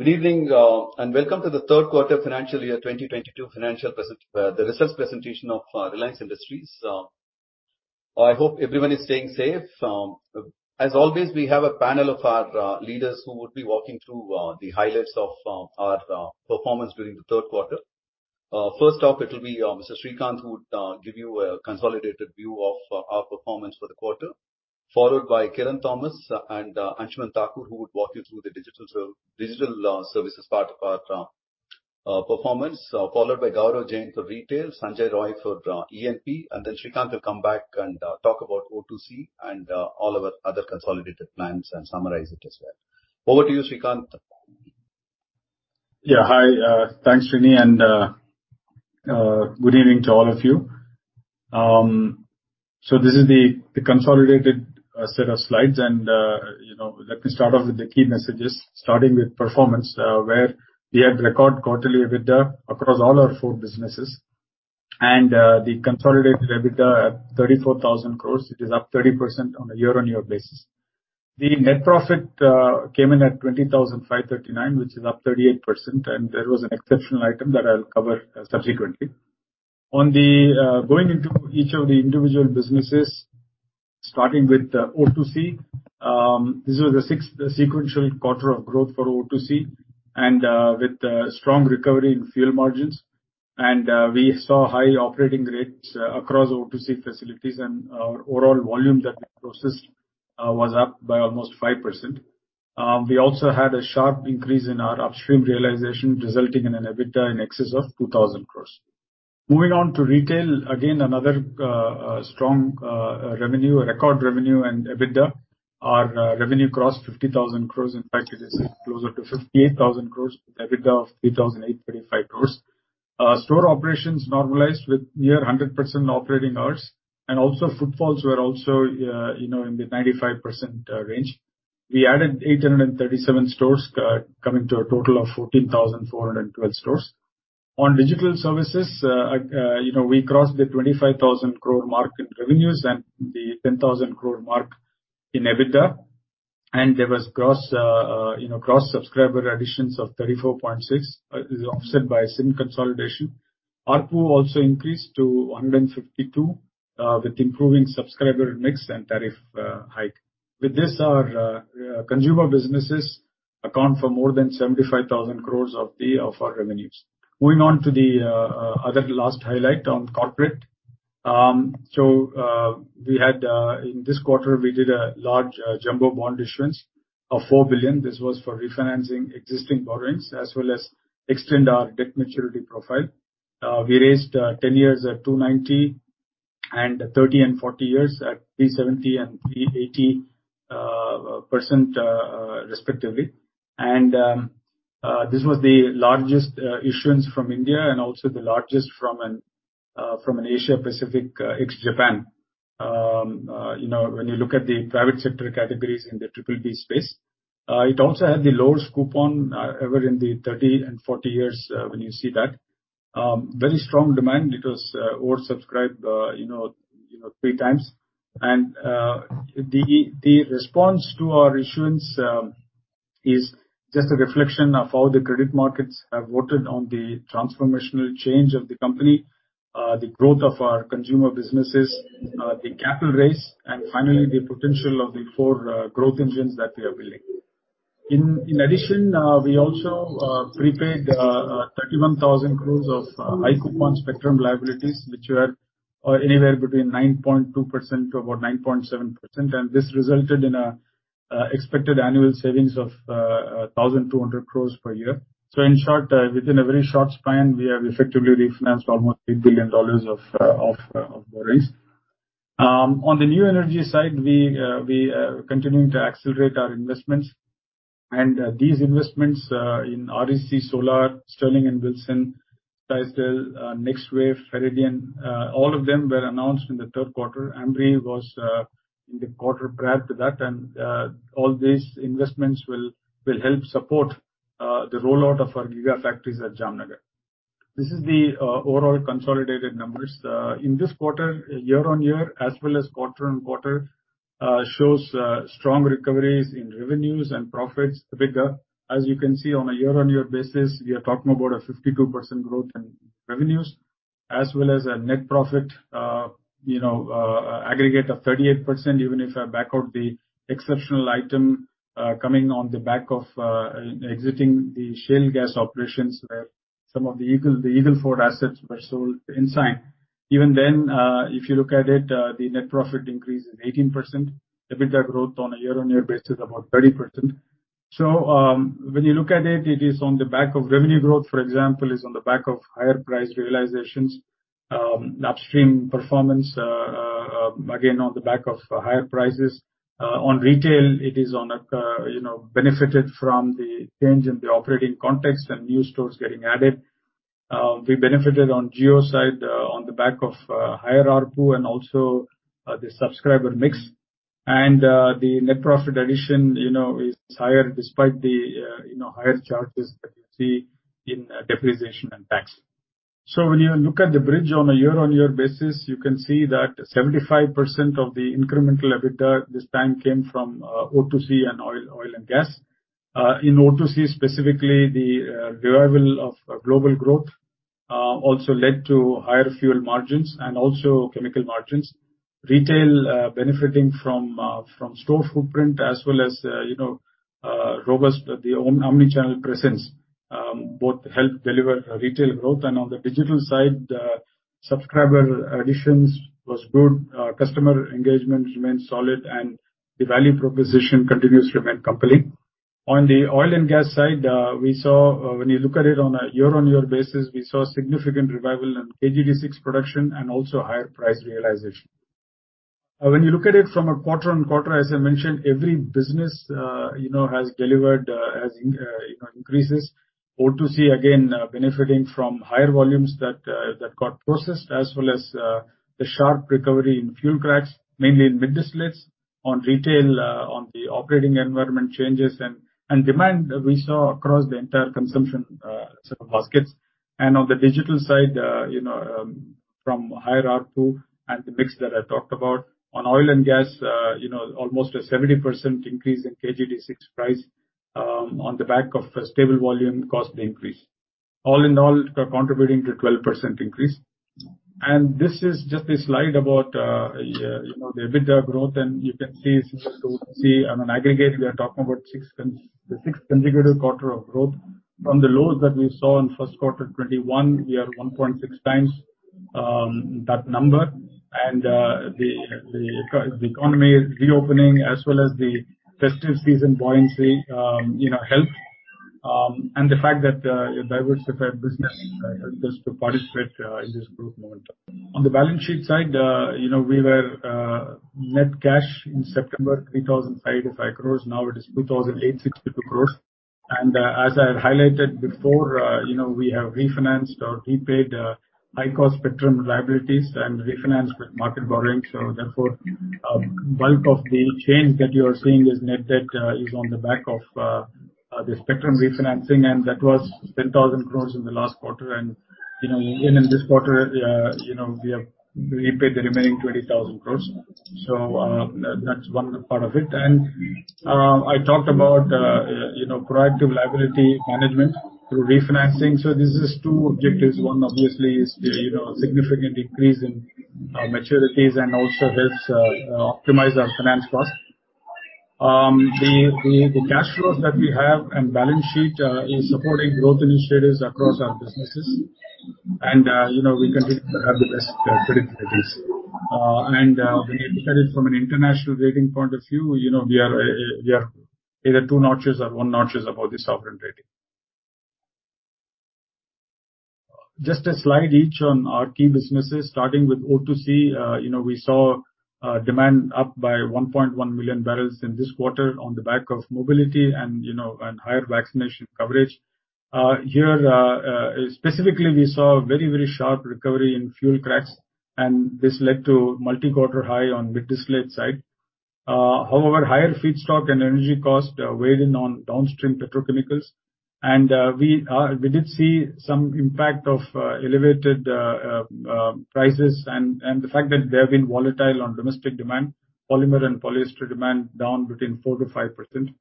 Good evening and welcome to the third quarter financial year 2022 results presentation of Reliance Industries. I hope everyone is staying safe. As always, we have a panel of our leaders who would be walking through the highlights of our performance during the third quarter. First up it will be Mr. Srikanth, who would give you a consolidated view of our performance for the quarter, followed by Kiran Thomas and Anshuman Thakur, who would walk you through the Digital Services part of our performance. Followed by Gaurav Jain for retail, Sanjay Roy for E&P, and then Srikanth will come back and talk about O2C and all of our other consolidated plans and summarize it as well. Over to you, Srikanth. Yeah, hi, thanks, Rini, and good evening to all of you. So this is the consolidated set of slides and you know, let me start off with the key messages, starting with performance, where we had record quarterly EBITDA across all our four businesses. The consolidated EBITDA at 34,000 crore is up 30% on a year-on-year basis. The net profit came in at 20,539 crore, which is up 38%, and there was an exceptional item that I'll cover subsequently. Going into each of the individual businesses, starting with O2C. This was the sixth sequential quarter of growth for O2C and with strong recovery in fuel margins. We saw high operating rates across O2C facilities and overall volume that we processed was up by almost 5%. We also had a sharp increase in our upstream realization, resulting in an EBITDA in excess of 2,000 crore. Moving on to retail, again, another strong record revenue and EBITDA. Our revenue crossed 50,000 crore, in fact it is closer to 58,000 crore, EBITDA of 3,835 crore. Store operations normalized with near 100% operating hours, and footfalls were also, you know, in the 95% range. We added 837 stores, coming to a total of 14,412 stores. On Digital Services, you know, we crossed the 25,000 crore mark in revenues and the 10,000 crore mark in EBITDA. There was gross subscriber additions of 34.6, offset by SIM consolidation. ARPU also increased to 152 with improving subscriber mix and tariff hike. With this, our consumer businesses account for more than 75,000 crore of our revenues. Moving on to the other last highlight on corporate. In this quarter, we did a large jumbo bond issuance of $4 billion. This was for refinancing existing borrowings as well as extend our debt maturity profile. We raised 10 years at 290% and 30 and 40 years at 370% and 380%, respectively. This was the largest issuance from India and also the largest from an Asia Pacific ex-Japan. You know, when you look at the private sector categories in the BBB space, it also had the lowest coupon ever in the 30 and 40 years, when you see that. Very strong demand. It was oversubscribed, you know, 3x. The response to our issuance is just a reflection of how the credit markets have voted on the transformational change of the company, the growth of our consumer businesses, the capital raise, and finally, the potential of the four growth engines that we are building. In addition, we also prepaid 31,000 crore of high coupon spectrum liabilities, which were anywhere between 9.2% to about 9.7%. This resulted in expected annual savings of 1,200 crores per year. In short, within a very short span, we have effectively refinanced almost $8 billion of borrowings. On the new energy side, we continuing to accelerate our investments. These investments in REC Group, Sterling & Wilson Solar, Stiesdal, NexWafe, Faradion, all of them were announced in the third quarter. Ambri was in the quarter prior to that. All these investments will help support the rollout of our gigafactories at Jamnagar. This is the overall consolidated numbers. In this quarter, year-on-year, as well as quarter-on-quarter, shows strong recoveries in revenues and profits EBITDA. As you can see on a year-on-year basis, we are talking about a 52% growth in revenues as well as a net profit, you know, aggregate of 38%, even if I back out the exceptional item, coming on the back of, exiting the shale gas operations where some of the Eagle Ford assets were sold to Ensign. Even then, if you look at it, the net profit increase is 18%. EBITDA growth on a year-on-year basis is about 30%. When you look at it is on the back of revenue growth, for example, is on the back of higher price realizations. Upstream performance, again, on the back of higher prices. On retail, it has benefited from the change in the operating context and new stores getting added. We benefited on Jio side on the back of higher ARPU and also the subscriber mix. The net profit addition, you know, is higher despite the, you know, higher charges that you see in depreciation and tax. When you look at the bridge on a year-on-year basis, you can see that 75% of the incremental EBITDA this time came from O2C and oil and gas. In O2C specifically, the revival of global growth also led to higher fuel margins and also chemical margins. Retail benefiting from store footprint as well as, you know, robust omni-channel presence both helped deliver retail growth. On the digital side, subscriber additions was good, customer engagement remains solid, and the value proposition continues to remain compelling. On the oil and gas side, we saw when you look at it on a year-over-year basis, we saw significant revival in KG-D6 production and also higher price realization. When you look at it from a quarter-over-quarter, as I mentioned, every business, you know, has delivered, you know, increases. O2C, again, benefiting from higher volumes that got processed as well as the sharp recovery in fuel cracks, mainly in mid distillates. On retail, on the operating environment changes and demand we saw across the entire consumption set of baskets. On the digital side, you know, from higher ARPU and the mix that I talked about. On oil and gas, you know, almost a 70% increase in KG-D6 price, on the back of a stable volume cost increase. All in all, contributing to a 12% increase. This is just a slide about, you know, the EBITDA growth, and you can see since O2C on an aggregate, we are talking about the sixth consecutive quarter of growth. From the lows that we saw in first quarter 2021, we are 1.6x that number. The economy is reopening as well as the festive season buoyancy, you know, helped, and the fact that a diversified business helped us to participate in this growth momentum. On the balance sheet side, you know, we were net cash in September, 3,585 crores. Now it is 2,862 crores. As I have highlighted before, you know, we have refinanced or repaid high-cost spectrum liabilities and refinanced with market borrowings. Bulk of the change that you are seeing is net debt on the back of the spectrum refinancing, and that was 10,000 crores in the last quarter. You know, in this quarter, you know, we have repaid the remaining 20,000 crores. That's one part of it. I talked about, you know, proactive liability management through refinancing. This is two objectives. One obviously is the, you know, significant decrease in maturities and also helps optimize our finance cost. The cash flows that we have and balance sheet is supporting growth initiatives across our businesses. You know, we continue to have the best credit ratings. When you look at it from an international rating point of view, you know, we are either two notches or one notch above the sovereign rating. Just a slide each on our key businesses. Starting with O2C, you know, we saw demand up by 1.1 million barrels in this quarter on the back of mobility and higher vaccination coverage. Here, specifically, we saw a very sharp recovery in fuel cracks, and this led to multi-quarter high on mid distillate side. However, higher feedstock and energy costs weighed on downstream petrochemicals. We did see some impact of elevated prices and the fact that they have been volatile on domestic demand. Polymer and polyester demand down between 4%-5%.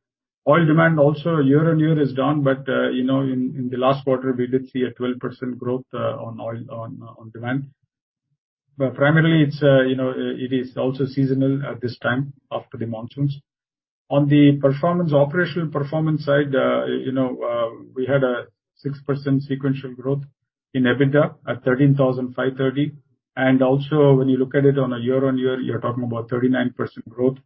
Oil demand also year-on-year is down, but you know, in the last quarter, we did see a 12% growth on oil demand. Primarily it's you know, it is also seasonal at this time after the monsoons. On the operational performance side, you know, we had a 6% sequential growth in EBITDA at 13,530 crores. Also, when you look at it on a year-on-year, you're talking about 39% growth.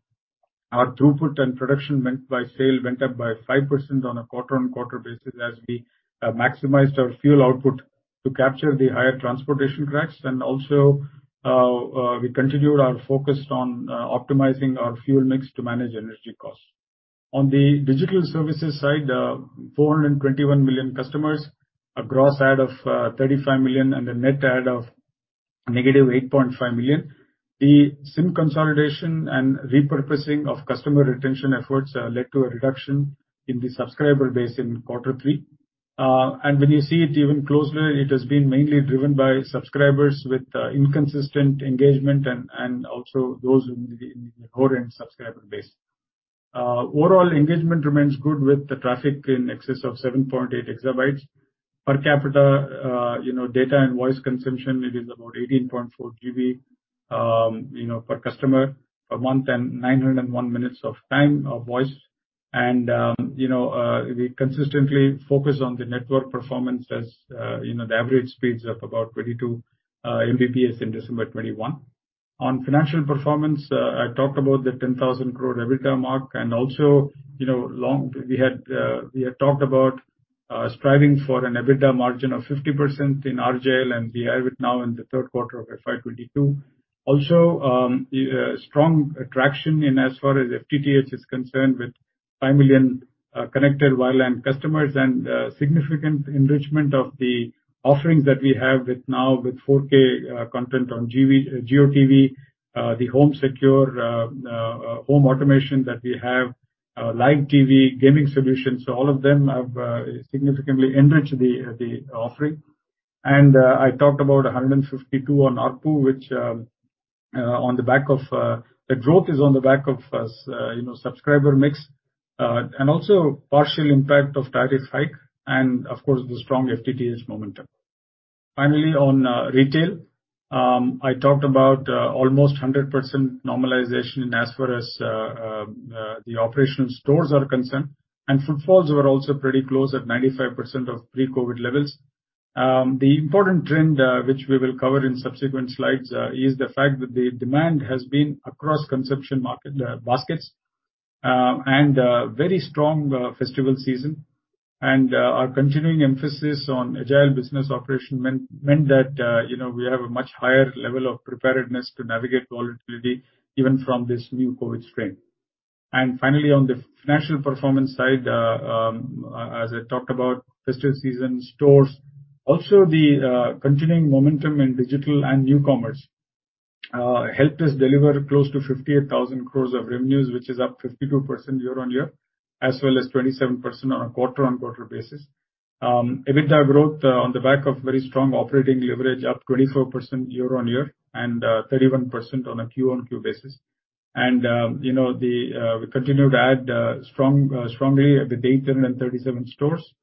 Our throughput and production went up 5% on a quarter-over-quarter basis as we maximized our fuel output to capture the higher transportation cracks. We continued our focus on optimizing our fuel mix to manage energy costs. On the Digital Services side, 421 million customers, a gross add of 35 million and a net add of -8.5 million. The SIM consolidation and repurposing of customer retention efforts led to a reduction in the subscriber base in quarter three. When you see it even closely, it has been mainly driven by subscribers with inconsistent engagement and also those in the lower-end subscriber base. Overall engagement remains good with the traffic in excess of 7.8 EB. Per capita, you know, data and voice consumption, it is about 18.4 GB, you know, per customer per month and 901 minutes of time of voice. We consistently focus on the network performance as you know, the average speeds of about 22 Mbps in December 2021. On financial performance, I talked about the 10,000 crore EBITDA mark, and also, you know, long we had talked about striving for an EBITDA margin of 50% in RJIL, and we have it now in the third quarter of FY 2022. Also, strong traction insofar as FTTH is concerned with 5 million connected wireline customers and significant enrichment of the offerings that we have with 4K content on JioTV, the Home Secure home automation that we have. Live TV, gaming solutions, so all of them have significantly enriched the offering. I talked about 152 on ARPU, which on the back of the growth is on the back of you know, subscriber mix and also partial impact of tariff hike and of course, the strong FTTH momentum. Finally, on retail, I talked about almost 100% normalization as far as the operational stores are concerned, and footfalls were also pretty close at 95% of pre-COVID levels. The important trend, which we will cover in subsequent slides, is the fact that the demand has been across consumption market baskets and very strong festival season. Our continuing emphasis on agile business operation meant that, you know, we have a much higher level of preparedness to navigate volatility even from this new COVID strain. Finally, on the financial performance side, as I talked about, festival season stores, also the continuing momentum in digital and new commerce, helped us deliver close to 58,000 crore of revenues, which is up 52% year-over-year, as well as 27% on a quarter-over-quarter basis. EBITDA growth on the back of very strong operating leverage up 24% year-over-year and 31% on a quarter-over-quarter basis. You know, we continue to add 337 stores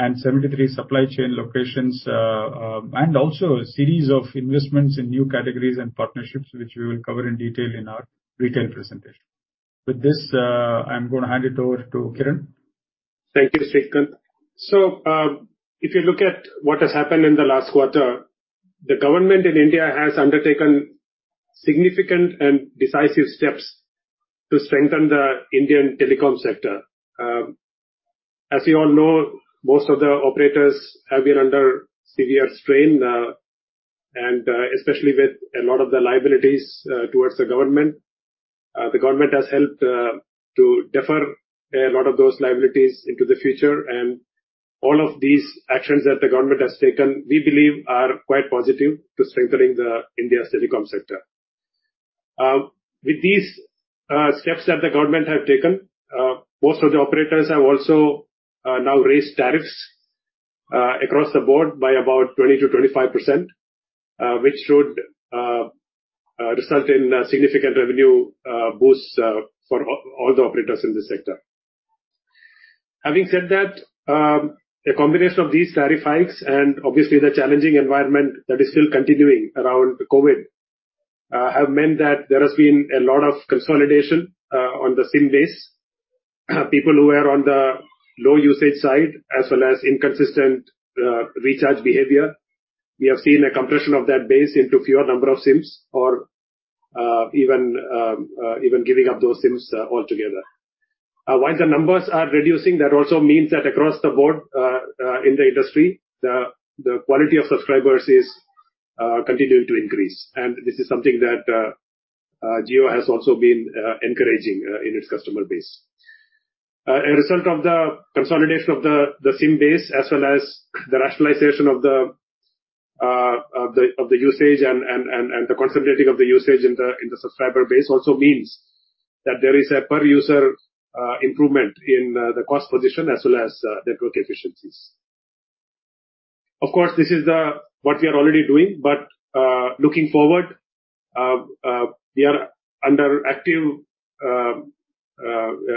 and 73 supply chain locations. Also a series of investments in new categories and partnerships, which we will cover in detail in our retail presentation. With this, I'm going to hand it over to Kiran. Thank you, Srikanth. If you look at what has happened in the last quarter, the government in India has undertaken significant and decisive steps to strengthen the Indian telecom sector. As you all know, most of the operators have been under severe strain, and especially with a lot of the liabilities towards the government. The government has helped to defer a lot of those liabilities into the future. All of these actions that the government has taken, we believe are quite positive to strengthening the India's telecom sector. With these steps that the government have taken, most of the operators have also now raised tariffs across the board by about 20%-25%. Which should result in significant revenue boosts for all the operators in this sector. Having said that, a combination of these tariff hikes and obviously the challenging environment that is still continuing around COVID have meant that there has been a lot of consolidation on the SIM base of people who are on the low usage side as well as inconsistent recharge behavior. We have seen a compression of that base into fewer number of SIMs or even giving up those SIMs altogether. While the numbers are reducing, that also means that across the board in the industry, the quality of subscribers is continuing to increase. This is something that Jio has also been encouraging in its customer base. A result of the consolidation of the SIM base as well as the rationalization of the usage and the concentrating of the usage in the subscriber base also means that there is a per user improvement in the cost position as well as network efficiencies. Of course, this is what we are already doing, but looking forward, we are under active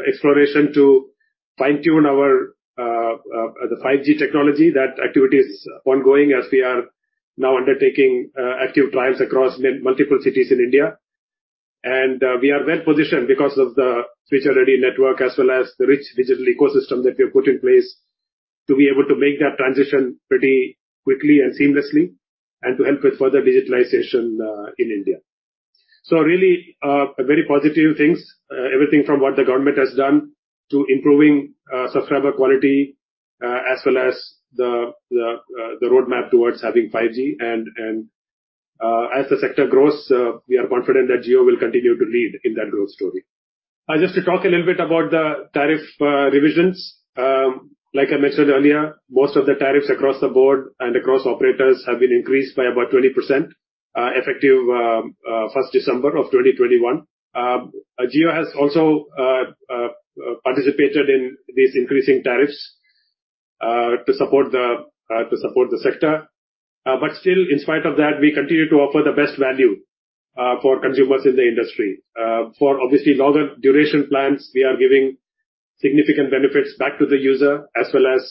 exploration to fine-tune our 5G technology. That activity is ongoing as we are now undertaking active trials across multiple cities in India. We are well-positioned because of the digital-ready network as well as the rich digital ecosystem that we have put in place to be able to make that transition pretty quickly and seamlessly, and to help with further digitalization in India. Really, very positive things, everything from what the government has done to improving subscriber quality, as well as the roadmap towards having 5G. As the sector grows, we are confident that Jio will continue to lead in that growth story. Just to talk a little bit about the tariff revisions. Like I mentioned earlier, most of the tariffs across the board and across operators have been increased by about 20%, effective December 1st, 2021. Jio has also participated in these increasing tariffs to support the sector. Still, in spite of that, we continue to offer the best value for consumers in the industry. For obviously longer duration plans, we are giving significant benefits back to the user as well as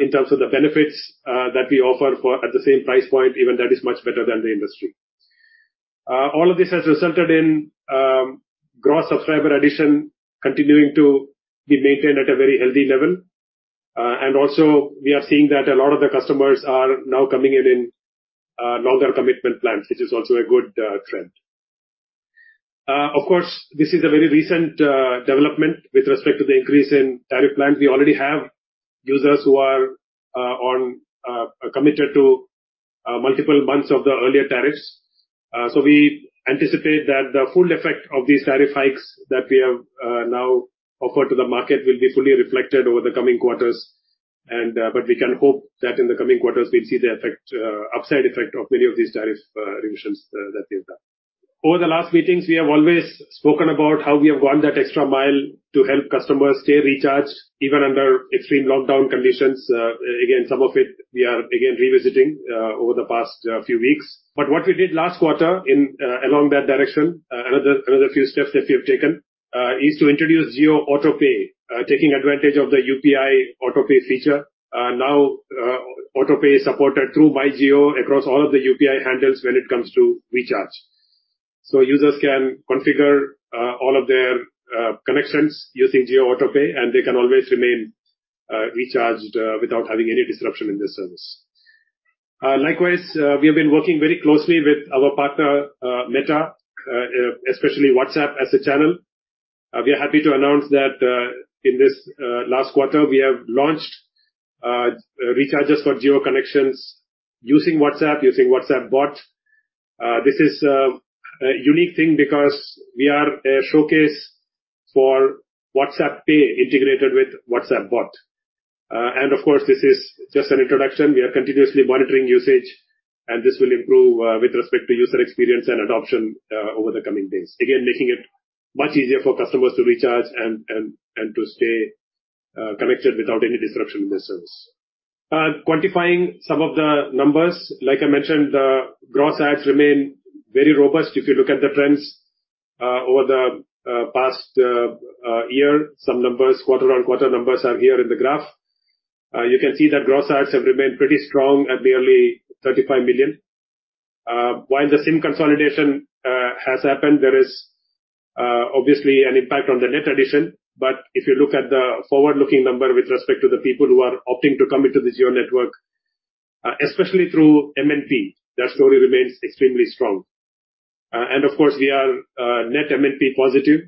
in terms of the benefits that we offer for at the same price point, even that is much better than the industry. All of this has resulted in gross subscriber addition continuing to be maintained at a very healthy level. Also we are seeing that a lot of the customers are now coming in longer commitment plans, which is also a good trend. Of course, this is a very recent development with respect to the increase in tariff plans. We already have users who are committed to multiple months of the earlier tariffs. We anticipate that the full effect of these tariff hikes that we have now offered to the market will be fully reflected over the coming quarters. But we can hope that in the coming quarters we'll see the upside effect of many of these tariff revisions that they've done. Over the last meetings, we have always spoken about how we have gone that extra mile to help customers stay recharged even under extreme lockdown conditions. Again, some of it we are again revisiting over the past few weeks. What we did last quarter, along that direction, another few steps that we have taken is to introduce JioAutoPay. Taking advantage of the UPI AutoPay feature. Now, JioAutoPay is supported through MyJio across all of the UPI handles when it comes to recharge. Users can configure all of their connections using JioAutoPay, and they can always remain recharged without having any disruption in their service. Likewise, we have been working very closely with our partner, Meta, especially WhatsApp as a channel. We are happy to announce that in this last quarter, we have launched recharges for Jio connections using WhatsApp, using WhatsApp bot. This is a unique thing because we are a showcase for WhatsApp Pay integrated with WhatsApp bot. Of course, this is just an introduction. We are continuously monitoring usage, and this will improve with respect to user experience and adoption over the coming days. Again, making it much easier for customers to recharge and to stay connected without any disruption in their service. Quantifying some of the numbers. Like I mentioned, the gross adds remain very robust. If you look at the trends over the past year, some numbers, quarter-on-quarter numbers are here in the graph. You can see that gross adds have remained pretty strong at nearly 35 million. While the SIM consolidation has happened, there is obviously an impact on the net addition. But if you look at the forward-looking number with respect to the people who are opting to come into the Jio network, especially through MNP, that story remains extremely strong. Of course, we are net MNP positive,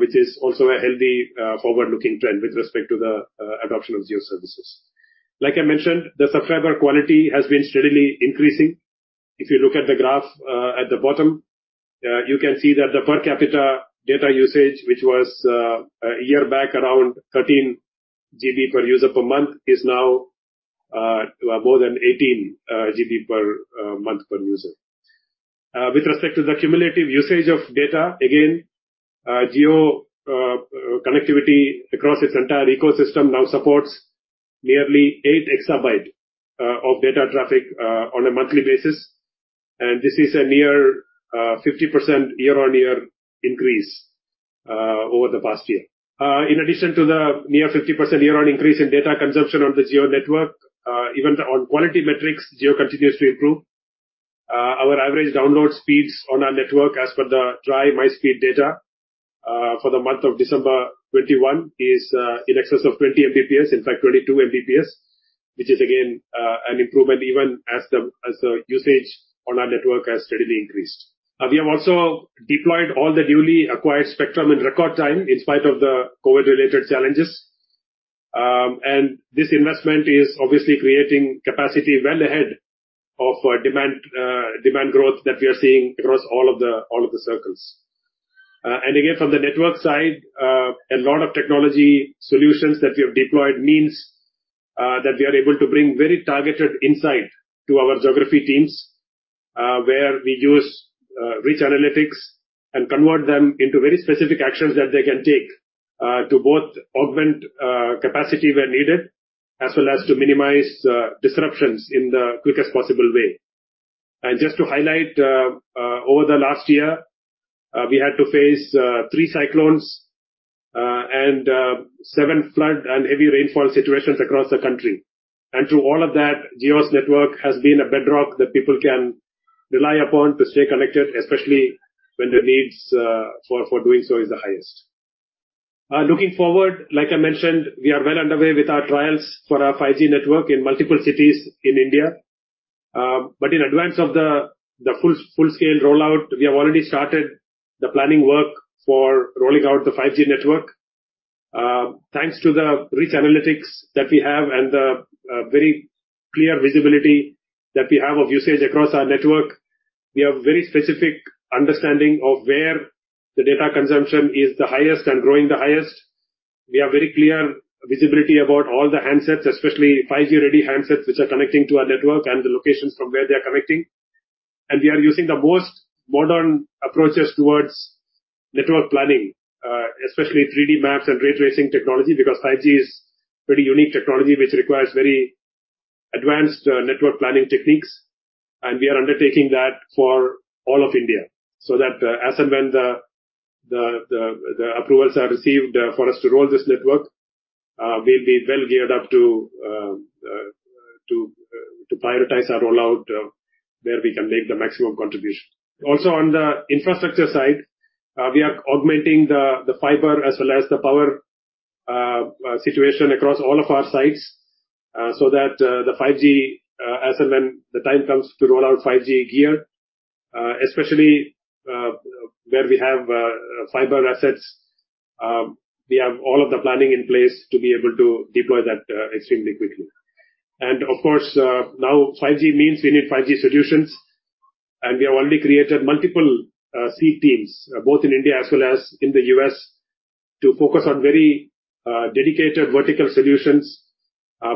which is also a healthy forward-looking trend with respect to the adoption of Jio services. Like I mentioned, the subscriber quality has been steadily increasing. If you look at the graph at the bottom, you can see that the per capita data usage, which was a year back around 13 GB per user per month, is now more than 18 GB per month per user. With respect to the cumulative usage of data, again, Jio connectivity across its entire ecosystem now supports nearly 8 EB of data traffic on a monthly basis, and this is a near 50% year-on-year increase over the past year. In addition to the near 50% year-on-year increase in data consumption on the Jio network, even on quality metrics, Jio continues to improve. Our average download speeds on our network as per the TRAI MySpeed data for the month of December 2021 is in excess of 20 Mbps, in fact, 22 Mbps, which is again an improvement even as the usage on our network has steadily increased. We have also deployed all the newly acquired spectrum in record time in spite of the COVID-related challenges. This investment is obviously creating capacity well ahead of demand growth that we are seeing across all of the circles. Again, from the network side, a lot of technology solutions that we have deployed means that we are able to bring very targeted insight to our geography teams, where we use rich analytics and convert them into very specific actions that they can take to both augment capacity where needed, as well as to minimize disruptions in the quickest possible way. Just to highlight, over the last year, we had to face three cyclones and seven flood and heavy rainfall situations across the country. Through all of that, Jio's network has been a bedrock that people can rely upon to stay connected, especially when the needs for doing so is the highest. Looking forward, like I mentioned, we are well underway with our trials for our 5G network in multiple cities in India. But in advance of the full-scale rollout, we have already started the planning work for rolling out the 5G network. Thanks to the rich analytics that we have and the very clear visibility that we have of usage across our network, we have very specific understanding of where the data consumption is the highest and growing the highest. We have very clear visibility about all the handsets, especially 5G-ready handsets, which are connecting to our network and the locations from where they are connecting. We are using the most modern approaches towards network planning, especially 3D maps and ray tracing technology, because 5G is pretty unique technology which requires very advanced network planning techniques, and we are undertaking that for all of India. That as and when the approvals are received, for us to roll this network, we'll be well geared up to prioritize our rollout, where we can make the maximum contribution. Also, on the infrastructure side, we are augmenting the fiber as well as the power situation across all of our sites, so that the 5G as and when the time comes to roll out 5G here, especially where we have fiber assets, we have all of the planning in place to be able to deploy that extremely quickly. Of course, now 5G means we need 5G solutions. We have already created multiple C-teams, both in India as well as in the U.S., to focus on very dedicated vertical solutions,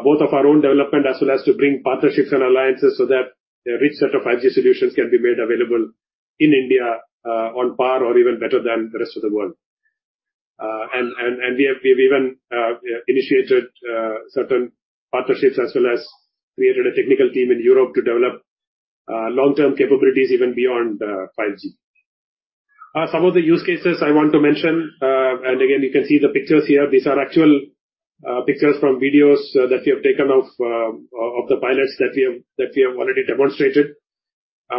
both of our own development as well as to bring partnerships and alliances so that a rich set of 5G solutions can be made available in India, on par or even better than the rest of the world. We have even initiated certain partnerships as well as created a technical team in Europe to develop long-term capabilities even beyond 5G. Some of the use cases I want to mention, and again, you can see the pictures here. These are actual pictures from videos that we have taken of the pilots that we have already demonstrated.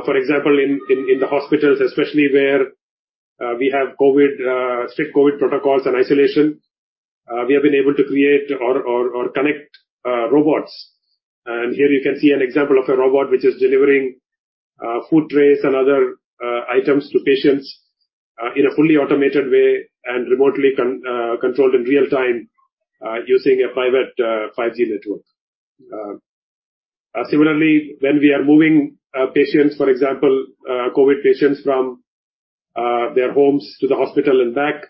For example, in the hospitals, especially where we have strict COVID protocols and isolation, we have been able to create or connect robots. Here you can see an example of a robot which is delivering food trays and other items to patients in a fully automated way and remotely controlled in real time, using a private 5G network. Similarly, when we are moving patients, for example, COVID patients from their homes to the hospital and back,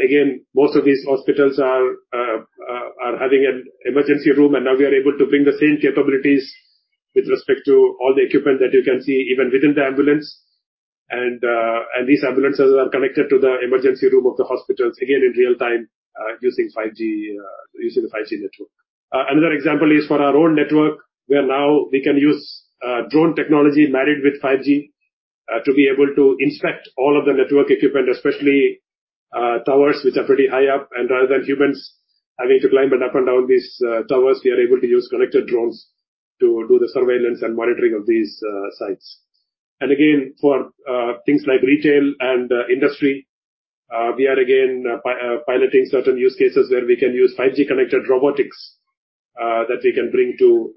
again, most of these hospitals are having an emergency room, and now we are able to bring the same capabilities with respect to all the equipment that you can see even within the ambulance. These ambulances are connected to the emergency room of the hospitals, again in real time, using the 5G network. Another example is for our own network, we can use drone technology married with 5G to be able to inspect all of the network equipment, especially, towers which are pretty high up. Rather than humans having to climb up and down these towers, we are able to use connected drones to do the surveillance and monitoring of these sites. Again, for things like retail and industry, we are again piloting certain use cases where we can use 5G-connected robotics that we can bring to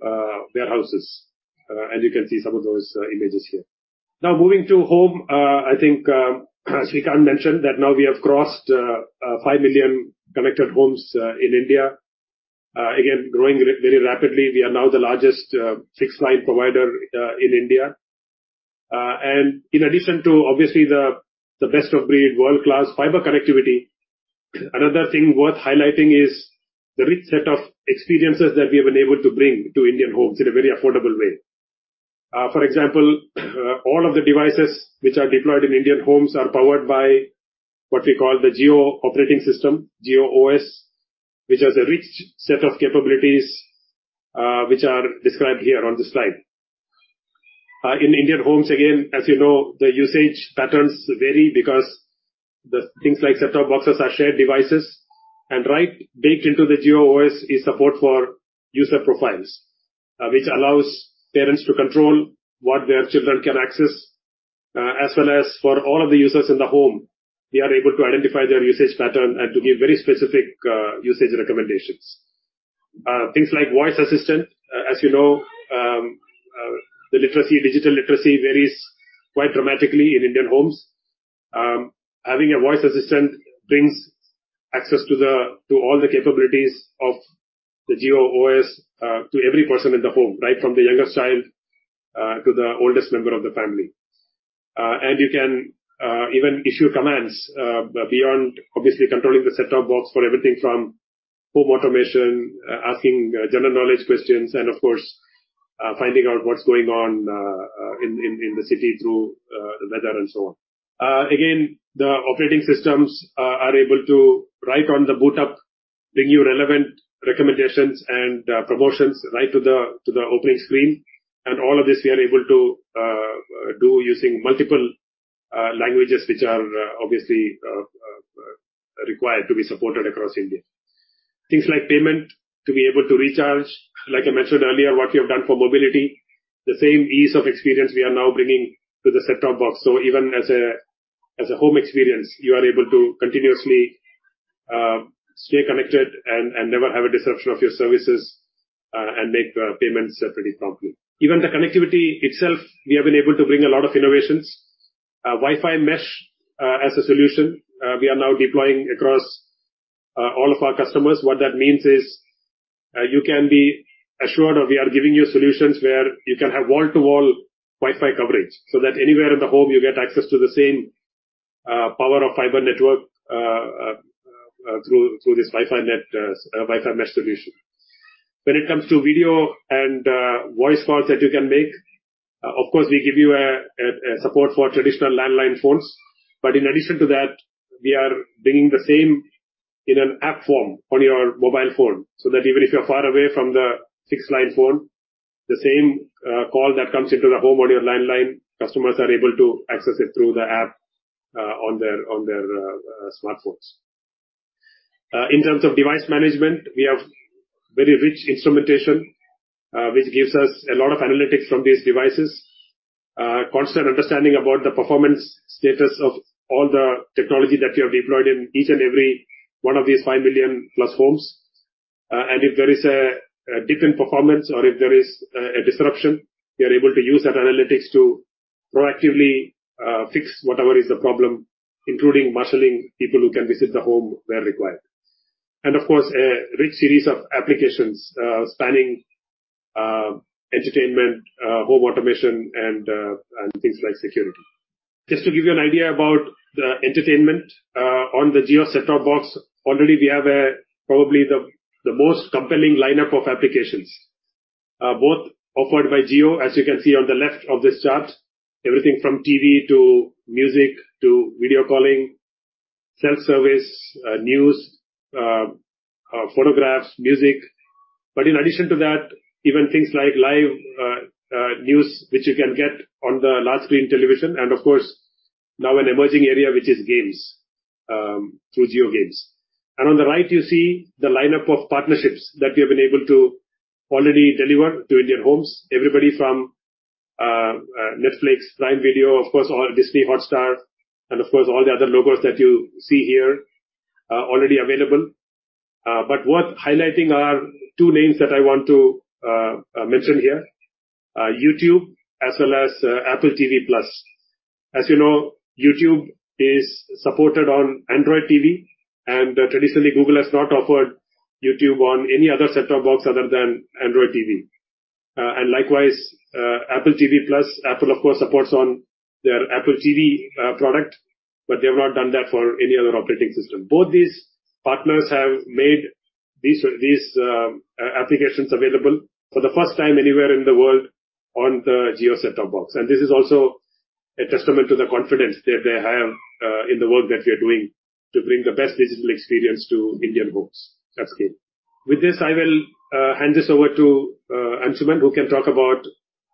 warehouses. You can see some of those images here. Now moving to home, I think Srikanth mentioned that now we have crossed 5 million connected homes in India. Again, growing very rapidly. We are now the largest fixed line provider in India. In addition to obviously the best of breed world-class fiber connectivity, another thing worth highlighting is the rich set of experiences that we have been able to bring to Indian homes in a very affordable way. For example, all of the devices which are deployed in Indian homes are powered by what we call the Jio operating system, JioOS, which has a rich set of capabilities, which are described here on this slide. In Indian homes, again, as you know, the usage patterns vary because the things like set-top boxes are shared devices. Right baked into the JioOS is support for user profiles, which allows parents to control what their children can access, as well as for all of the users in the home, we are able to identify their usage pattern and to give very specific usage recommendations. Things like voice assistant. As you know, the literacy, digital literacy varies quite dramatically in Indian homes. Having a voice assistant brings access to all the capabilities of the JioOS, to every person in the home, right from the youngest child, to the oldest member of the family. And you can even issue commands, beyond obviously controlling the set-top box for everything from home automation, asking general knowledge questions, and of course, finding out what's going on in the city through the weather and so on. Again, the operating systems are able to right on the boot up, bring you relevant recommendations and promotions right to the opening screen. All of this we are able to do using multiple languages, which are obviously required to be supported across India. Things like payment to be able to recharge. Like I mentioned earlier, what we have done for mobility, the same ease of experience we are now bringing to the set-top box. Even as a home experience, you are able to continuously stay connected and never have a disruption of your services, and make payments pretty promptly. Even the connectivity itself, we have been able to bring a lot of innovations. Wi-Fi mesh as a solution, we are now deploying across all of our customers. What that means is, you can be assured of we are giving you solutions where you can have wall-to-wall Wi-Fi coverage, so that anywhere in the home you get access to the same power of fiber network through this Wi-Fi mesh solution. When it comes to video and voice calls that you can make, of course, we give you a support for traditional landline phones. In addition to that, we are bringing the same in an app form on your mobile phone, so that even if you're far away from the fixed line phone, the same call that comes into the home on your landline, customers are able to access it through the app on their smartphones. In terms of device management, we have very rich instrumentation, which gives us a lot of analytics from these devices, constant understanding about the performance status of all the technology that we have deployed in each and every one of these 5+ million homes. If there is a different performance or if there is a disruption, we are able to use that analytics to proactively fix whatever is the problem, including marshaling people who can visit the home where required. Of course, a rich series of applications spanning entertainment, home automation and things like security. Just to give you an idea about the entertainment on the Jio set-top box, already we have probably the most compelling lineup of applications both offered by Jio, as you can see on the left of this chart. Everything from TV to music to video calling, self-service, news, photographs, music. In addition to that, even things like live news, which you can get on the large screen television, and of course, now an emerging area, which is games through Jio Games. On the right, you see the lineup of partnerships that we have been able to already deliver to Indian homes. Everybody from Netflix, Prime Video, of course, Disney+ Hotstar, and of course, all the other logos that you see here are already available. Worth highlighting are two names that I want to mention here, YouTube as well as Apple TV+. As you know, YouTube is supported on Android TV, and traditionally, Google has not offered YouTube on any other set-top box other than Android TV. Likewise, Apple TV+. Apple, of course, supports on their Apple TV product, but they have not done that for any other operating system. Both these partners have made these applications available for the first time anywhere in the world on the Jio set-top box. This is also a testament to the confidence that they have in the work that we are doing to bring the best digital experience to Indian homes at scale. With this, I will hand this over to Anshuman, who can talk about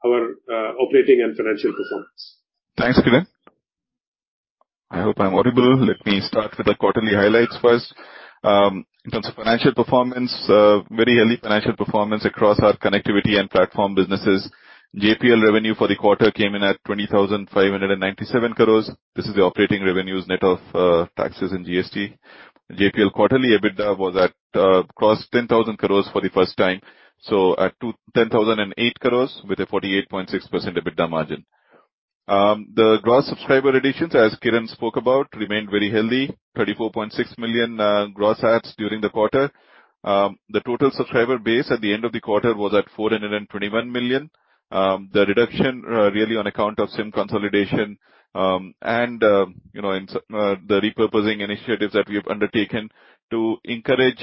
our operating and financial performance. Thanks, Kiran. I hope I'm audible. Let me start with the quarterly highlights first. In terms of financial performance, very healthy financial performance across our connectivity and platform businesses. JPL revenue for the quarter came in at 20,597 crore. This is the operating revenues net of taxes and GST. JPL quarterly EBITDA was at crossed 10,000 crore for the first time, so at 10,008 crore with a 48.6% EBITDA margin. The gross subscriber additions, as Kiran spoke about, remained very healthy. 34.6 million gross adds during the quarter. The total subscriber base at the end of the quarter was at 421 million. The reduction really on account of SIM consolidation, and you know, in the repurposing initiatives that we have undertaken to encourage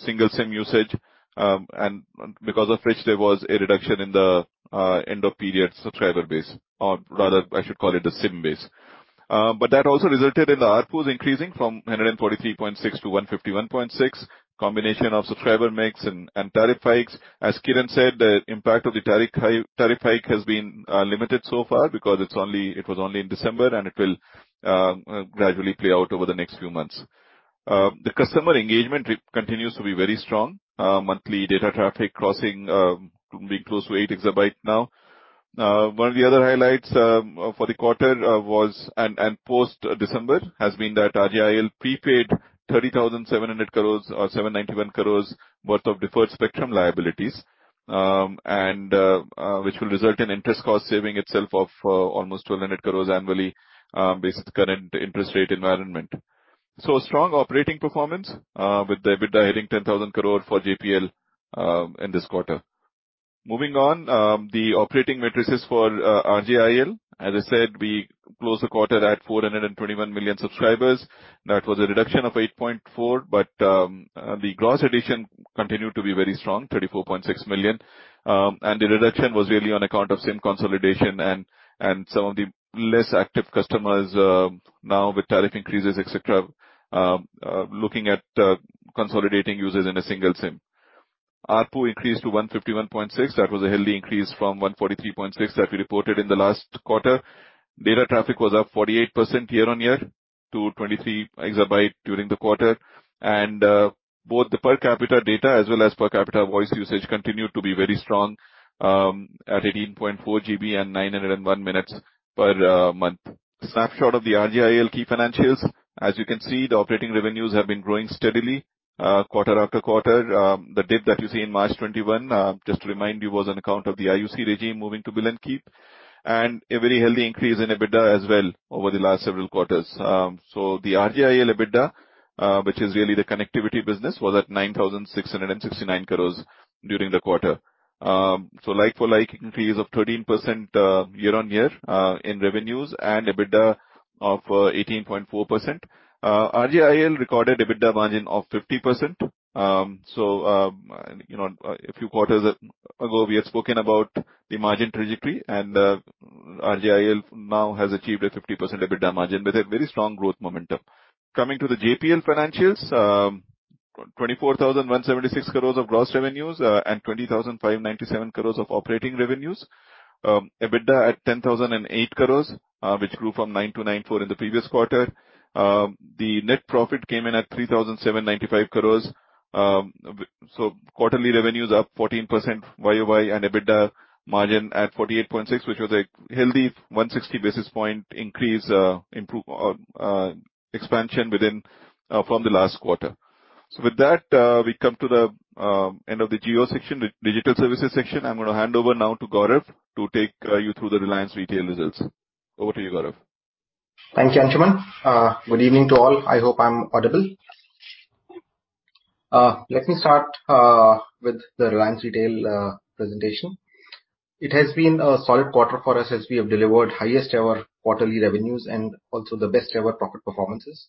single SIM usage, and because of which there was a reduction in the end of period subscriber base, or rather I should call it a SIM base. That also resulted in the ARPU increasing from 143.6 to 151.6. Combination of subscriber mix and tariff hikes. As Kiran said, the impact of the tariff hike has been limited so far because it was only in December, and it will gradually play out over the next few months. The customer engagement continues to be very strong. Monthly data traffic crossing, being close to 8 EB now. One of the other highlights for the quarter was and post December has been that RJIL prepaid 30,700 crore or 791 crore worth of deferred spectrum liabilities, and which will result in interest cost saving itself of almost 1,200 crore annually, based on the current interest rate environment. A strong operating performance with the EBITDA hitting 10,000 crore for JPL in this quarter. Moving on, the operating metrics for RJIL. As I said, we closed the quarter at 421 million subscribers. That was a reduction of 8.4 million. The gross addition continued to be very strong, 34.6 million. The reduction was really on account of SIM consolidation and some of the less active customers, now with tariff increases, etc., looking at consolidating users in a single SIM. ARPU increased to 151.6. That was a healthy increase from 143.6 that we reported in the last quarter. Data traffic was up 48% year-over-year to 23 EB during the quarter. Both the per capita data as well as per capita voice usage continued to be very strong at 18.4 GB and 901 minutes per month. Snapshot of the RJIL key financials. As you can see, the operating revenues have been growing steadily, quarter after quarter. The dip that you see in March 2021, just to remind you, was on account of the IUC regime moving to bill and keep. A very healthy increase in EBITDA as well over the last several quarters. The RJIL EBITDA, which is really the connectivity business, was at 9,669 crores during the quarter. Like for like increase of 13% year-on-year in revenues and EBITDA of 18.4%. RJIL recorded EBITDA margin of 50%. You know, a few quarters ago, we had spoken about the margin trajectory, and RJIL now has achieved a 50% EBITDA margin with a very strong growth momentum. Coming to the JPL financials, 24,176 crores of gross revenues and 20,597 crores of operating revenues. EBITDA at 10,008 crores, which grew from 9,094 in the previous quarter. The net profit came in at 3,795 crores. Quarterly revenues up 14% YOY and EBITDA margin at 48.6%, which was a healthy 160 basis point increase from the last quarter. With that, we come to the end of the Jio section. The digital services section, I'm gonna hand over now to Gaurav to take you through the Reliance Retail results. Over to you, Gaurav. Thank you, Anshuman. Good evening to all. I hope I'm audible. Let me start with the Reliance Retail presentation. It has been a solid quarter for us as we have delivered highest ever quarterly revenues and also the best ever profit performances.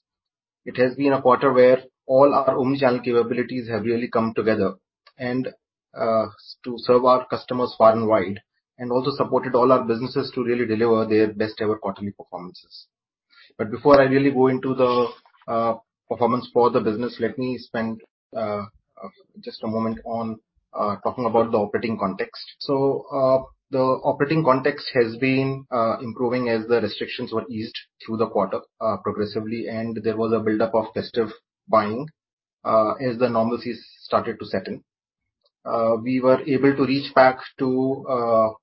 It has been a quarter where all our omni-channel capabilities have really come together and to serve our customers far and wide, and also supported all our businesses to really deliver their best ever quarterly performances. Before I really go into the performance for the business, let me spend just a moment on talking about the operating context. The operating context has been improving as the restrictions were eased through the quarter progressively, and there was a build-up of festive buying as the normalcy started to set in. We were able to reach back to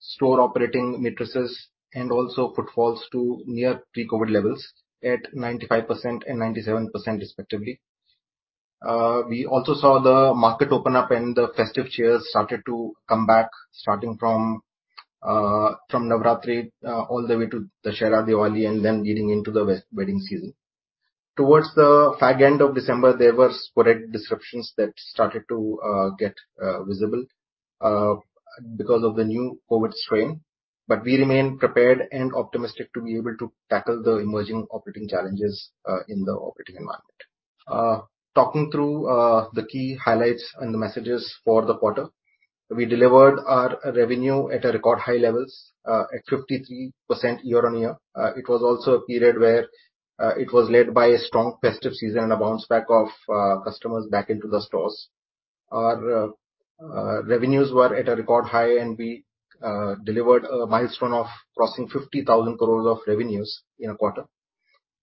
store operating metrics and also footfalls to near pre-COVID levels at 95% and 97% respectively. We also saw the market open up and the festive cheer started to come back, starting from Navratri all the way to Dussehra, Diwali, and then leading into the wedding season. Towards the fag end of December, there were sporadic disruptions that started to get visible because of the new COVID strain. We remain prepared and optimistic to be able to tackle the emerging operating challenges in the operating environment. Talking through the key highlights and the messages for the quarter. We delivered our revenue at a record high levels at 53% year-on-year. It was also a period where it was led by a strong festive season and a bounce back of customers back into the stores. Our revenues were at a record high and we delivered a milestone of crossing 50,000 crore of revenues in a quarter.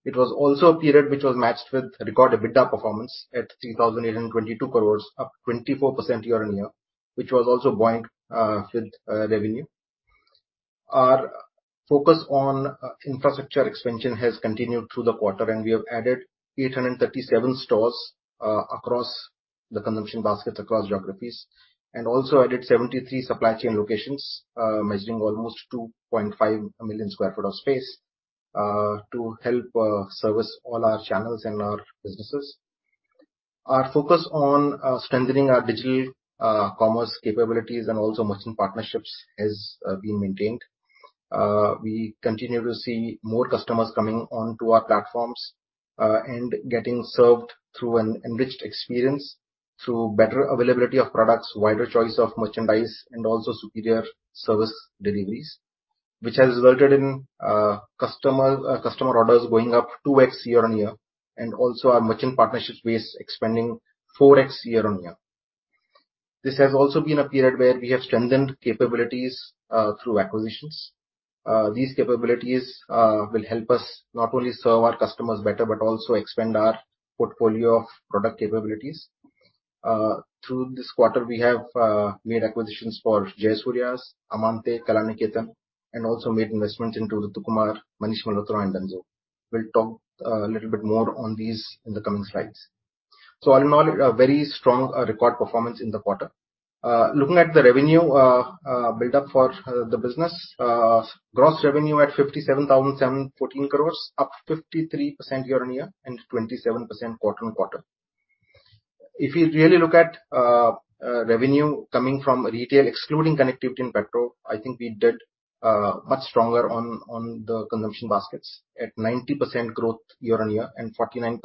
It was also a period which was matched with record EBITDA performance at 3,822 crore, up 24% year-on-year, which was also buoyed with revenue. Our focus on infrastructure expansion has continued through the quarter, and we have added 837 stores across the consumption baskets across geographies, and also added 73 supply chain locations measuring almost 2.5 million sq ft of space to help service all our channels and our businesses. Our focus on strengthening our digital commerce capabilities and also merchant partnerships has been maintained. We continue to see more customers coming onto our platforms and getting served through an enriched experience through better availability of products, wider choice of merchandise, and also superior service deliveries. Which has resulted in customer orders going up 2x year-on-year, and also our merchant partnerships base expanding 4x year-on-year. This has also been a period where we have strengthened capabilities through acquisitions. These capabilities will help us not only serve our customers better, but also expand our portfolio of product capabilities. Through this quarter, we have made acquisitions for Jaisuryas, amanté, Kalanikethan, and also made investments into Ritu Kumar, Manish Malhotra and Dunzo. We'll talk a little bit more on these in the coming slides. All in all, a very strong record performance in the quarter. Looking at the revenue build-up for the business. Gross revenue at 57,714 crore, up 53% year-on-year, and 27% quarter-on-quarter. If you really look at revenue coming from retail, excluding connectivity and petrol, I think we did much stronger on the consumption baskets at 90% growth year-on-year and 49%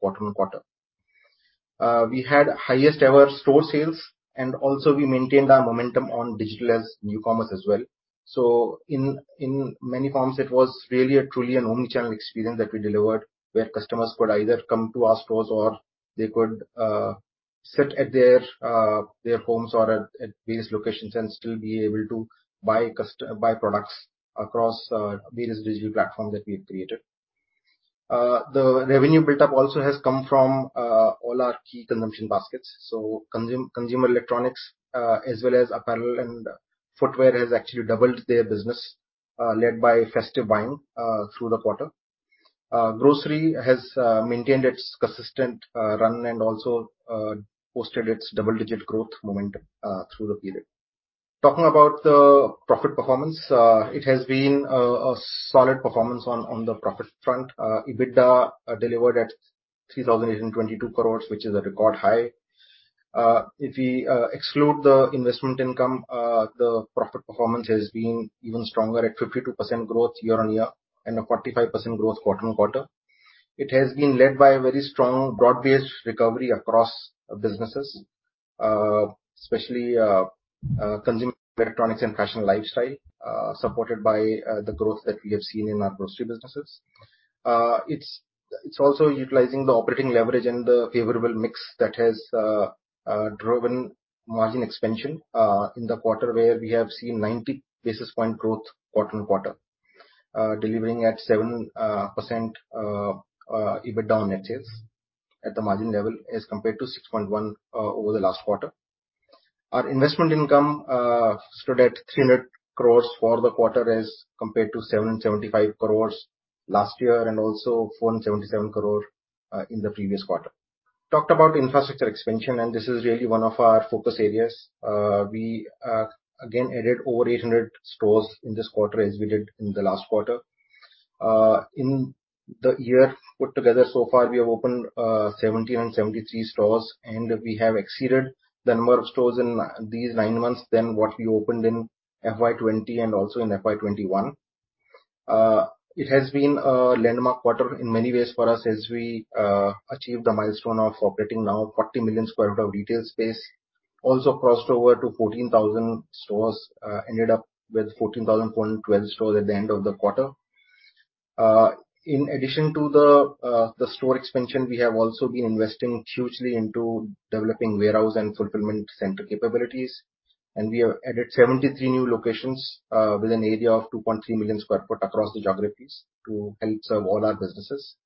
quarter-on-quarter. We had highest ever store sales, and also we maintained our momentum on digital as new commerce as well. In many forms, it was really a truly an omni-channel experience that we delivered, where customers could either come to our stores or they could sit at their homes or at various locations and still be able to buy products across various digital platforms that we've created. The revenue built up also has come from all our key consumption baskets. Consumer electronics, as well as apparel and footwear has actually doubled their business, led by festive buying, through the quarter. Grocery has maintained its consistent run and also posted its double-digit growth momentum through the period. Talking about the profit performance, it has been a solid performance on the profit front. EBITDA delivered at 3,822 crores, which is a record high. If we exclude the investment income, the profit performance has been even stronger at 52% growth year-on-year and a 45% growth quarter-on-quarter. It has been led by a very strong broad-based recovery across businesses, especially consumer electronics and fashion lifestyle, supported by the growth that we have seen in our grocery businesses. It's also utilizing the operating leverage and the favorable mix that has driven margin expansion in the quarter where we have seen 90 basis points growth quarter-on-quarter. Delivering at 7% EBITDA on net sales at the margin level as compared to 6.1% over the last quarter. Our investment income stood at 300 crore for the quarter as compared to 775 crore last year, and also 477 crore in the previous quarter. We talked about infrastructure expansion, and this is really one of our focus areas. We again added over 800 stores in this quarter as we did in the last quarter. In the year put together so far we have opened 777 stores, and we have exceeded the number of stores in these nine months than what we opened in FY 2020 and also in FY 2021. It has been a landmark quarter in many ways for us as we achieved the milestone of operating now 40 million sq ft of retail space. Crossed over to 14,000 stores, ended up with 14,000.12 stores at the end of the quarter. In addition to the store expansion, we have also been investing hugely into developing warehouse and fulfillment center capabilities. We have added 73 new locations with an area of 2.3 million sq ft across the geographies to help serve all our businesses.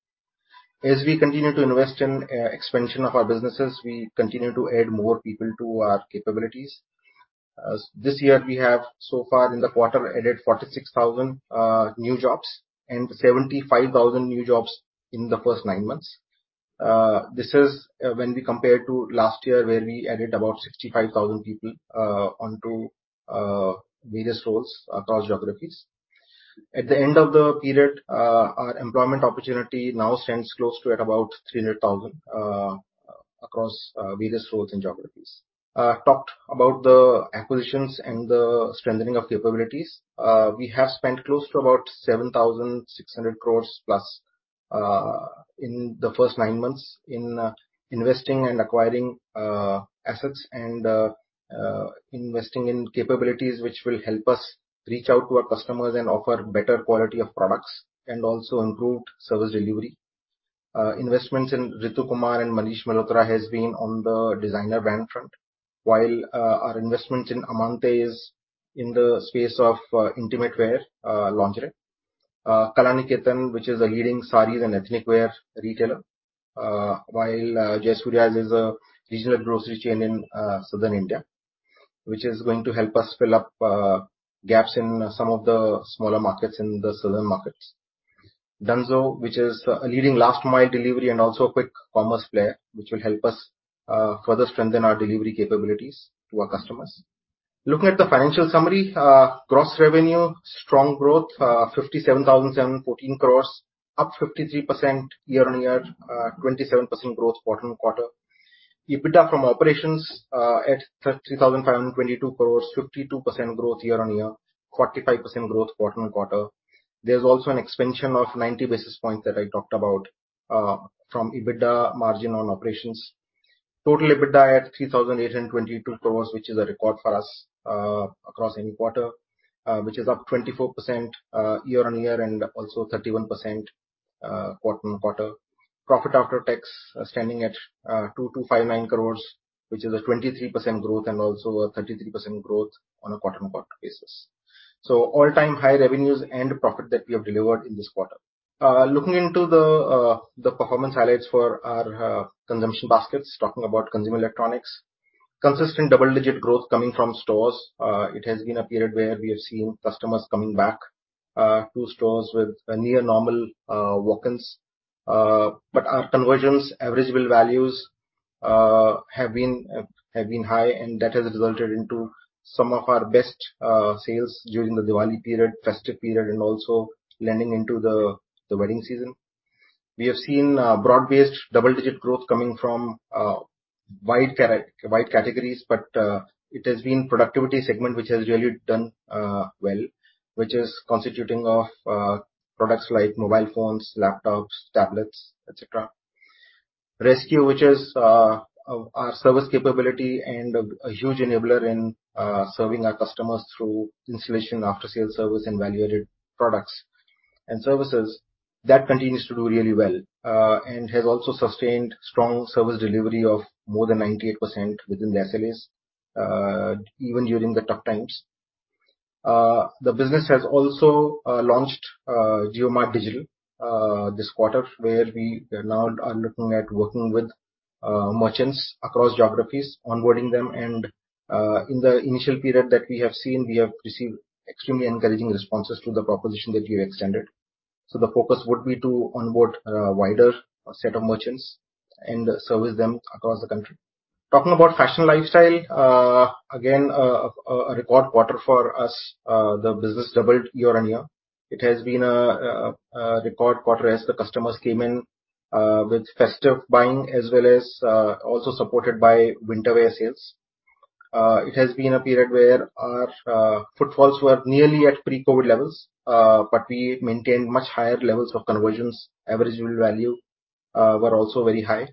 As we continue to invest in expansion of our businesses, we continue to add more people to our capabilities. As this year we have so far in the quarter added 46,000 new jobs and 75,000 new jobs in the first nine months. This is when we compare to last year, where we added about 65,000 people onto various roles across geographies. At the end of the period, our employment opportunity now stands close to about 300,000 across various roles and geographies. Talked about the acquisitions and the strengthening of capabilities. We have spent close to about 7,600+ crore in the first nine months in investing and acquiring assets and investing in capabilities which will help us reach out to our customers and offer better quality of products and also improved service delivery. Investments in Ritu Kumar and Manish Malhotra has been on the designer brand front. While our investment in amanté is in the space of intimate wear, lingerie. Kalanikethan, which is a leading sarees and ethnic wear retailer while Jaisuryas is a regional grocery chain in southern India, which is going to help us fill up gaps in some of the smaller markets in the southern markets. Dunzo, which is a leading last mile delivery and also a quick commerce player, which will help us further strengthen our delivery capabilities to our customers. Looking at the financial summary, gross revenue, strong growth, 57,714 crores, up 53% year-on-year, 27% growth quarter-on-quarter. EBITDA from operations at 3,522 crores, 52% growth year-on-year, 45% growth quarter-on-quarter. There's also an expansion of 90 basis points that I talked about from EBITDA margin on operations. Total EBITDA at 3,822 crore, which is a record for us across any quarter, which is up 24% year-on-year and also 31% quarter-on-quarter. Profit after tax standing at 2,259 crore, which is a 23% growth and also a 33% growth on a quarter-on-quarter basis. All-time high revenues and profit that we have delivered in this quarter. Looking into the performance highlights for our consumption baskets, talking about consumer electronics. Consistent double-digit growth coming from stores. It has been a period where we have seen customers coming back to stores with near normal walk-ins. Our conversions, average bill values, have been high, and that has resulted into some of our best sales during the Diwali period, festive period, and also leaning into the wedding season. We have seen broad-based double-digit growth coming from wide categories. It has been productivity segment which has really done well, which is constituting of products like mobile phones, laptops, tablets, et cetera. resQ, which is our service capability and a huge enabler in serving our customers through installation, after-sales service and value-added products and services. That continues to do really well and has also sustained strong service delivery of more than 98% within the SLAs, even during the tough times. The business has also launched JioMart Digital this quarter, where we now are looking at working with merchants across geographies, onboarding them. In the initial period that we have seen, we have received extremely encouraging responses to the proposition that we extended. The focus would be to onboard a wider set of merchants and service them across the country. Talking about fashion lifestyle. Again, a record quarter for us. The business doubled year-on-year. It has been a record quarter as the customers came in with festive buying, as well as also supported by winter wear sales. It has been a period where our footfalls were nearly at pre-COVID levels, but we maintained much higher levels of conversions. Average bill value were also very high,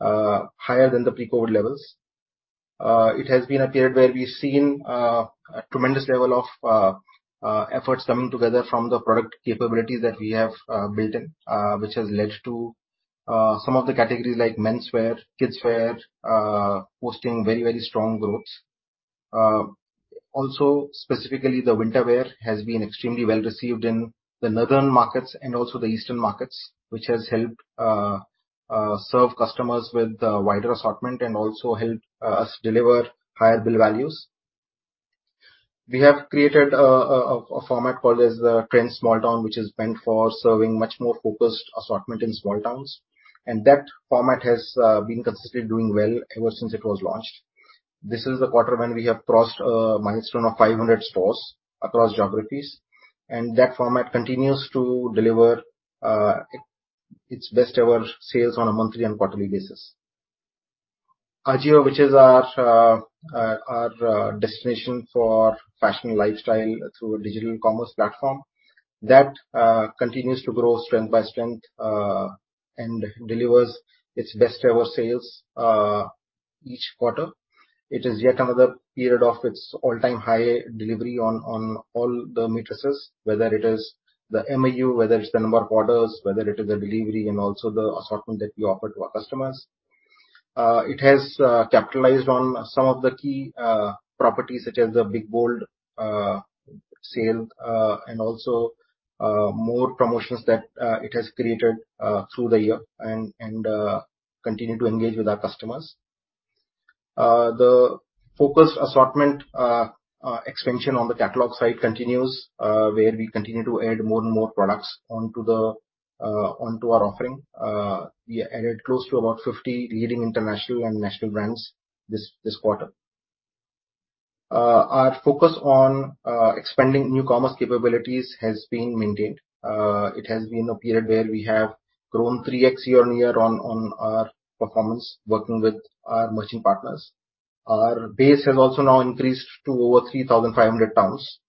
higher than the pre-COVID levels. It has been a period where we've seen a tremendous level of efforts coming together from the product capabilities that we have built in, which has led to some of the categories like menswear, kidswear posting very strong growth. Also, specifically, the winter wear has been extremely well-received in the northern markets and also the eastern markets, which has helped serve customers with a wider assortment and also helped us deliver higher bill values. We have created a format called as the Trends Small Town, which is meant for serving much more focused assortment in small towns. That format has been consistently doing well ever since it was launched. This is the quarter when we have crossed a milestone of 500 stores across geographies, and that format continues to deliver its best ever sales on a monthly and quarterly basis. AJIO, which is our destination for fashion and lifestyle through a digital commerce platform, continues to grow from strength to strength and delivers its best ever sales each quarter. It is yet another period of its all-time high delivery on all the metrics, whether it is the MAU, whether it's the number of orders, whether it is the delivery and also the assortment that we offer to our customers. It has capitalized on some of the key properties such as the Big Bold Sale and also more promotions that it has created through the year and continue to engage with our customers. The focused assortment expansion on the catalog side continues, where we continue to add more and more products onto our offering. We added close to about 50 leading international and national brands this quarter. Our focus on expanding new commerce capabilities has been maintained. It has been a period where we have grown 3x year-on-year on our performance working with our merchant partners. Our base has also now increased to over 3,500 towns.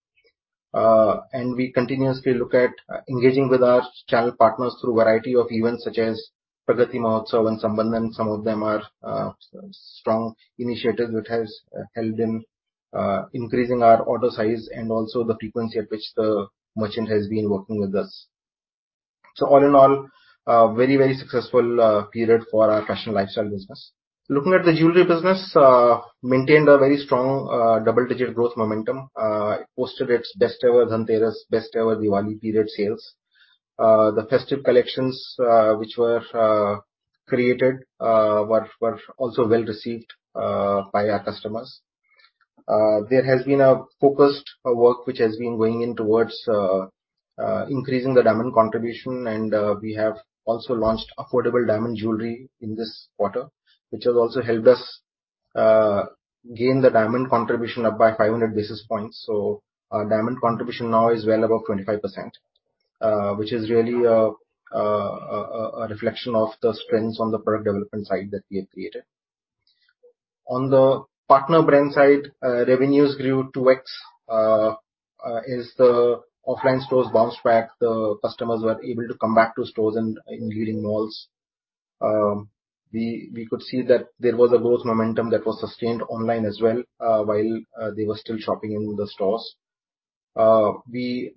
We continuously look at engaging with our channel partners through a variety of events such as Pragati Mahotsav and Sambandh, and some of them are strong initiatives which has helped in increasing our order size and also the frequency at which the merchant has been working with us. All in all, a very successful period for our fashion lifestyle business. Looking at the jewelry business, it maintained a very strong double-digit growth momentum and posted its best ever Dhanteras and best ever Diwali period sales. The festive collections, which were created, were also well-received by our customers. There has been a focused work which has been going in towards increasing the diamond contribution, and we have also launched affordable diamond jewelry in this quarter, which has also helped us gain the diamond contribution up by 500 basis points. Our diamond contribution now is well above 25%, which is really a reflection of the strengths on the product development side that we have created. On the partner brand side, revenues grew 2x as the offline stores bounced back, the customers were able to come back to stores in leading malls. We could see that there was a growth momentum that was sustained online as well, while they were still shopping in the stores. We,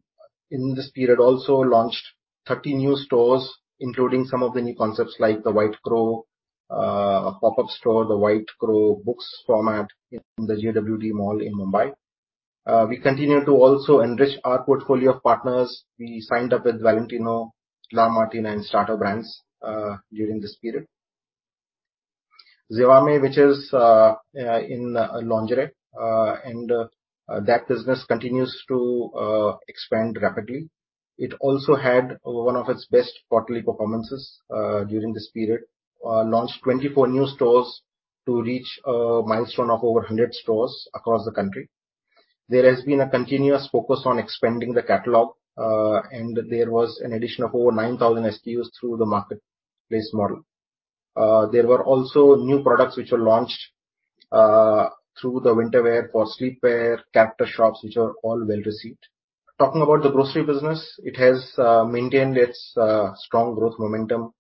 in this period, also launched 30 new stores, including some of the new concepts like The White Crow, a pop-up store, The White Crow books format in the JWD Mall in Mumbai. We continue to also enrich our portfolio of partners. We signed up with Valentino, La Martina, and Starter brands during this period. Zivame, which is in lingerie, and that business continues to expand rapidly. It also had one of its best quarterly performances during this period. Launched 24 new stores to reach a milestone of over 100 stores across the country. There has been a continuous focus on expanding the catalog, and there was an addition of over 9,000 SKUs through the marketplace model. There were also new products which were launched through the winter wear for sleepwear, character shops, which were all well received. Talking about the grocery business, it has maintained its strong growth momentum.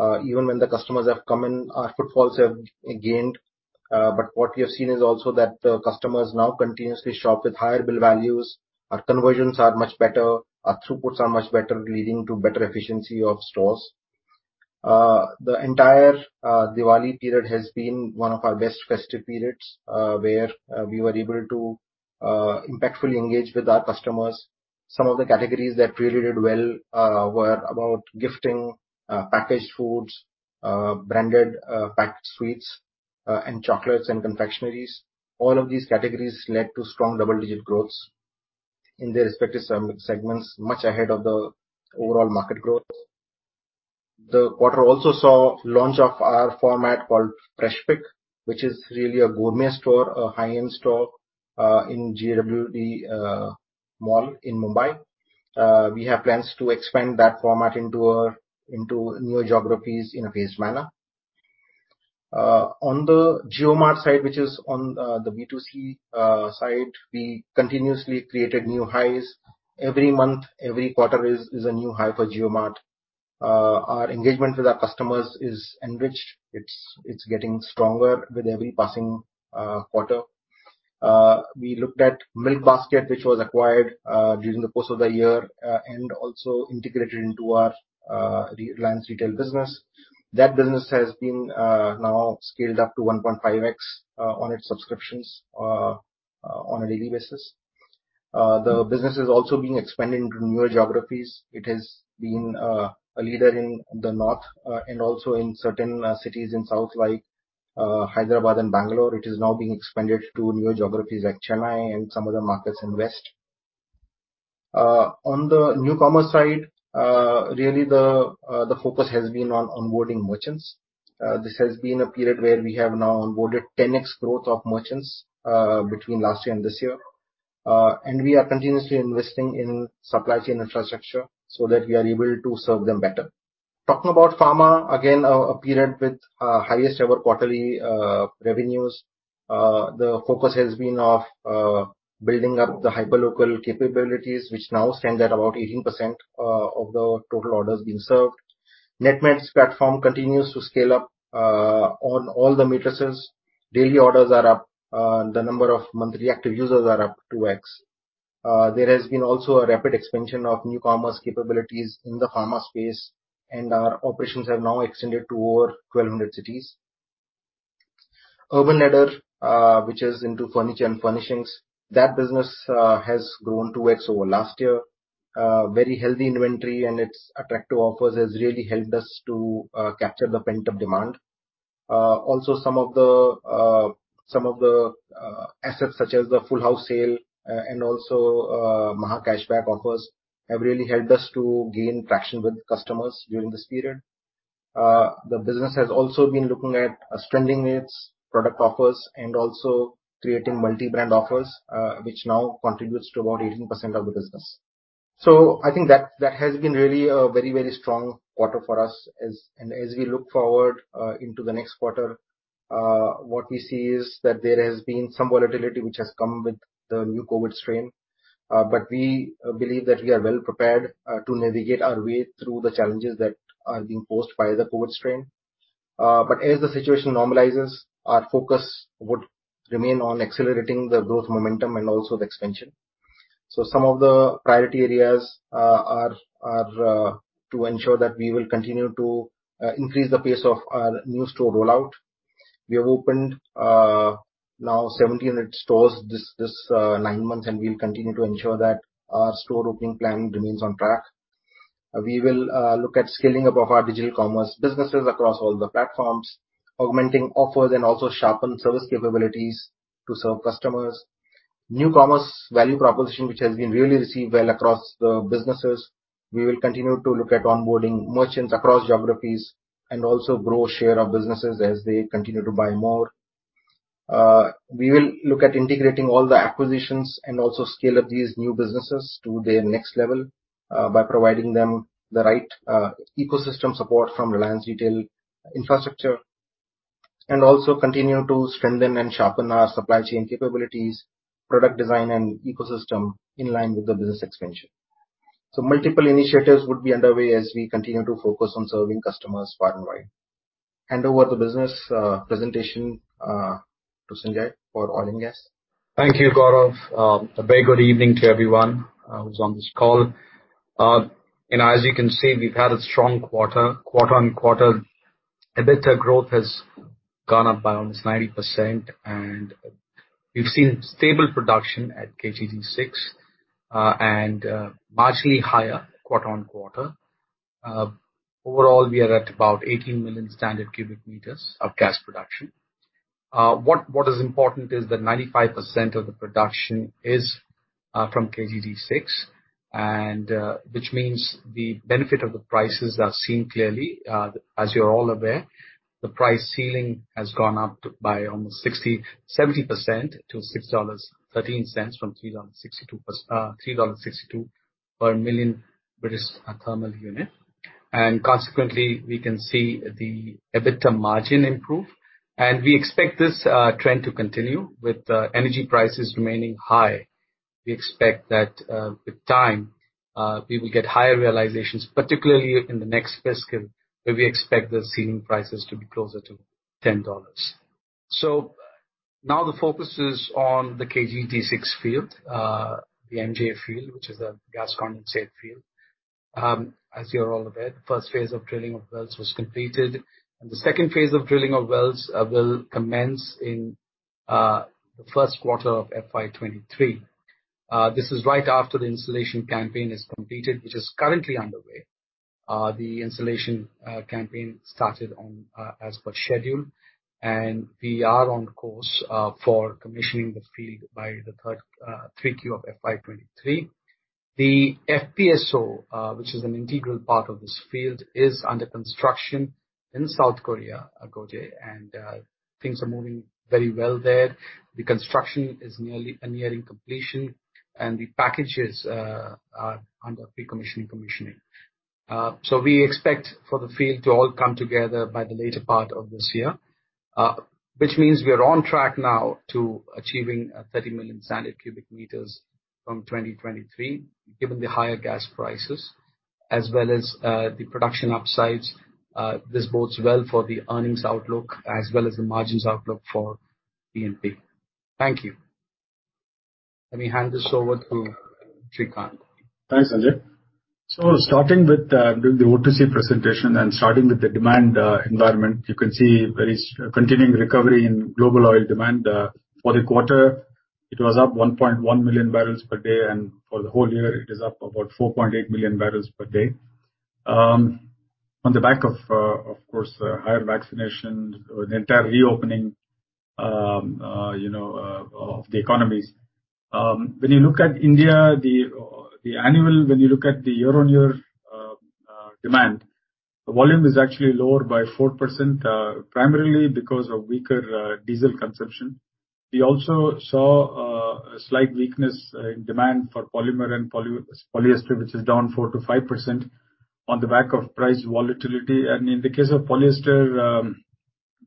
Even when the customers have come in, our footfalls have gained. What we have seen is also that the customers now continuously shop with higher bill values. Our conversions are much better, our throughputs are much better, leading to better efficiency of stores. The entire Diwali period has been one of our best festive periods, where we were able to impactfully engage with our customers. Some of the categories that really did well were about gifting, packaged foods, branded packed sweets, and chocolates and confectioneries. All of these categories led to strong double-digit growths in their respective segments, much ahead of the overall market growth. The quarter also saw launch of our format called Freshpik, which is really a gourmet store, a high-end store, in Jio WD mall in Mumbai. We have plans to expand that format into new geographies in a phased manner. On the JioMart side, which is on the B2C side, we continuously created new highs. Every month, every quarter is a new high for JioMart. Our engagement with our customers is enriched. It's getting stronger with every passing quarter. We looked at Milkbasket, which was acquired during the course of the year and also integrated into our Reliance Retail business. That business has been now scaled up to 1.5x on its subscriptions on a daily basis. The business is also being expanded into newer geographies. It has been a leader in the North and also in certain cities in South, like Hyderabad and Bangalore. It is now being expanded to new geographies like Chennai and some other markets in West. On the new commerce side, really the focus has been on onboarding merchants. This has been a period where we have now onboarded 10x growth of merchants between last year and this year. We are continuously investing in supply chain infrastructure so that we are able to serve them better. Talking about pharma, again, a period with highest ever quarterly revenues. The focus has been on building up the hyperlocal capabilities, which now stand at about 18% of the total orders being served. Netmeds platform continues to scale up on all the metrics. Daily orders are up. The number of monthly active users are up 2x. There has been also a rapid expansion of e-commerce capabilities in the pharma space, and our operations have now extended to over 1,200 cities. Urban Ladder, which is into furniture and furnishings, that business has grown 2x over last year. Very healthy inventory and its attractive offers has really helped us to capture the pent-up demand. Also some of the assets such as the full house sale and also Maha cashback offers have really helped us to gain traction with customers during this period. The business has also been looking at strengthening its product offers and also creating multi-brand offers, which now contributes to about 18% of the business. I think that has been really a very strong quarter for us. As we look forward into the next quarter, what we see is that there has been some volatility which has come with the new COVID strain. But we believe that we are well prepared to navigate our way through the challenges that are being posed by the COVID strain. As the situation normalizes, our focus would remain on accelerating the growth momentum and also the expansion. Some of the priority areas are to ensure that we will continue to increase the pace of our new store rollout. We have opened now 700 stores this nine months, and we'll continue to ensure that our store opening planning remains on track. We will look at scaling up our digital commerce businesses across all the platforms, augmenting offers, and also sharpen service capabilities to serve customers. The new commerce value proposition, which has been really received well across the businesses. We will continue to look at onboarding merchants across geographies and also grow share of businesses as they continue to buy more. We will look at integrating all the acquisitions and also scale up these new businesses to their next level, by providing them the right ecosystem support from Reliance Retail infrastructure. Also continue to strengthen and sharpen our supply chain capabilities, product design and ecosystem in line with the business expansion. Multiple initiatives would be underway as we continue to focus on serving customers far and wide. Hand over the business presentation to Sanjay for oil and gas. Thank you, Gaurav. A very good evening to everyone who's on this call. As you can see, we've had a strong quarter. Quarter-on-quarter EBITDA growth has gone up by almost 90%, and we've seen stable production at KG-D6, marginally higher quarter-on-quarter. Overall, we are at about 18 million standard cubic meters of gas production. What is important is that 95% of the production is from KG-D6, which means the benefit of the prices are seen clearly. As you're all aware, the price ceiling has gone up by almost 70% to $6.13 from $3.62 per 1 million British thermal unit. Consequently, we can see the EBITDA margin improve. We expect this trend to continue with energy prices remaining high. We expect that with time we will get higher realizations, particularly in the next fiscal, where we expect the ceiling prices to be closer to $10. Now the focus is on the KG-D6 field, the MJ field, which is a gas condensate field. As you're all aware, the first phase of drilling of wells was completed, and the second phase of drilling of wells will commence in the first quarter of FY 2023. This is right after the installation campaign is completed, which is currently underway. The installation campaign started on as per schedule, and we are on course for commissioning the field by the third quarter of FY 2023. The FPSO, which is an integral part of this field, is under construction in South Korea, Geoje, and things are moving very well there. The construction is nearing completion, and the packages are under pre-commissioning. We expect for the field to all come together by the later part of this year. Which means we are on track now to achieving 30 million standard cubic meters from 2023, given the higher gas prices as well as the production upsides. This bodes well for the earnings outlook as well as the margins outlook for E&P. Thank you. Let me hand this over to Srikanth. Thanks, Sanjay. Starting with the O2C presentation and starting with the demand environment, you can see continuing recovery in global oil demand. For the quarter it was up 1.1 million barrels per day, and for the whole year it is up about 4.8 million barrels per day. On the back of course, higher vaccinations and the entire reopening, you know, of the economies. When you look at India, the year-on-year demand, the volume is actually lower by 4%, primarily because of weaker diesel consumption. We also saw a slight weakness in demand for polymer and polyester, which is down 4%-5% on the back of price volatility. In the case of polyester,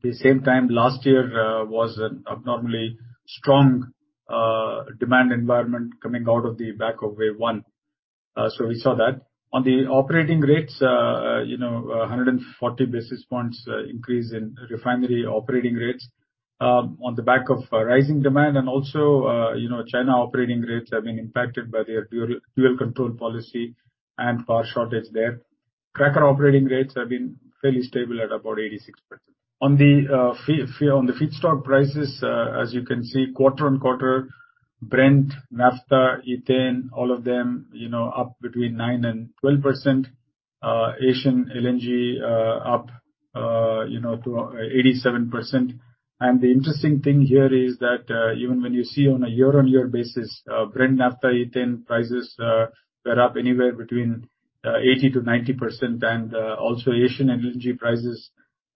the same time last year was an abnormally strong demand environment coming out of the back of wave one. We saw that. On the operating rates, you know, 140 basis points increase in refinery operating rates, on the back of rising demand. Also, you know, China operating rates have been impacted by their dual control policy and power shortage there. Cracker operating rates have been fairly stable at about 86%. On the feedstock prices, as you can see, quarter-over-quarter, Brent, naphtha, ethane, all of them, you know, up between 9% and 12%. Asian LNG up, you know, to 87%. The interesting thing here is that, even when you see on a year-on-year basis, Brent, naphtha, ethane prices, they're up anywhere between 80%-90%. Also Asian LNG prices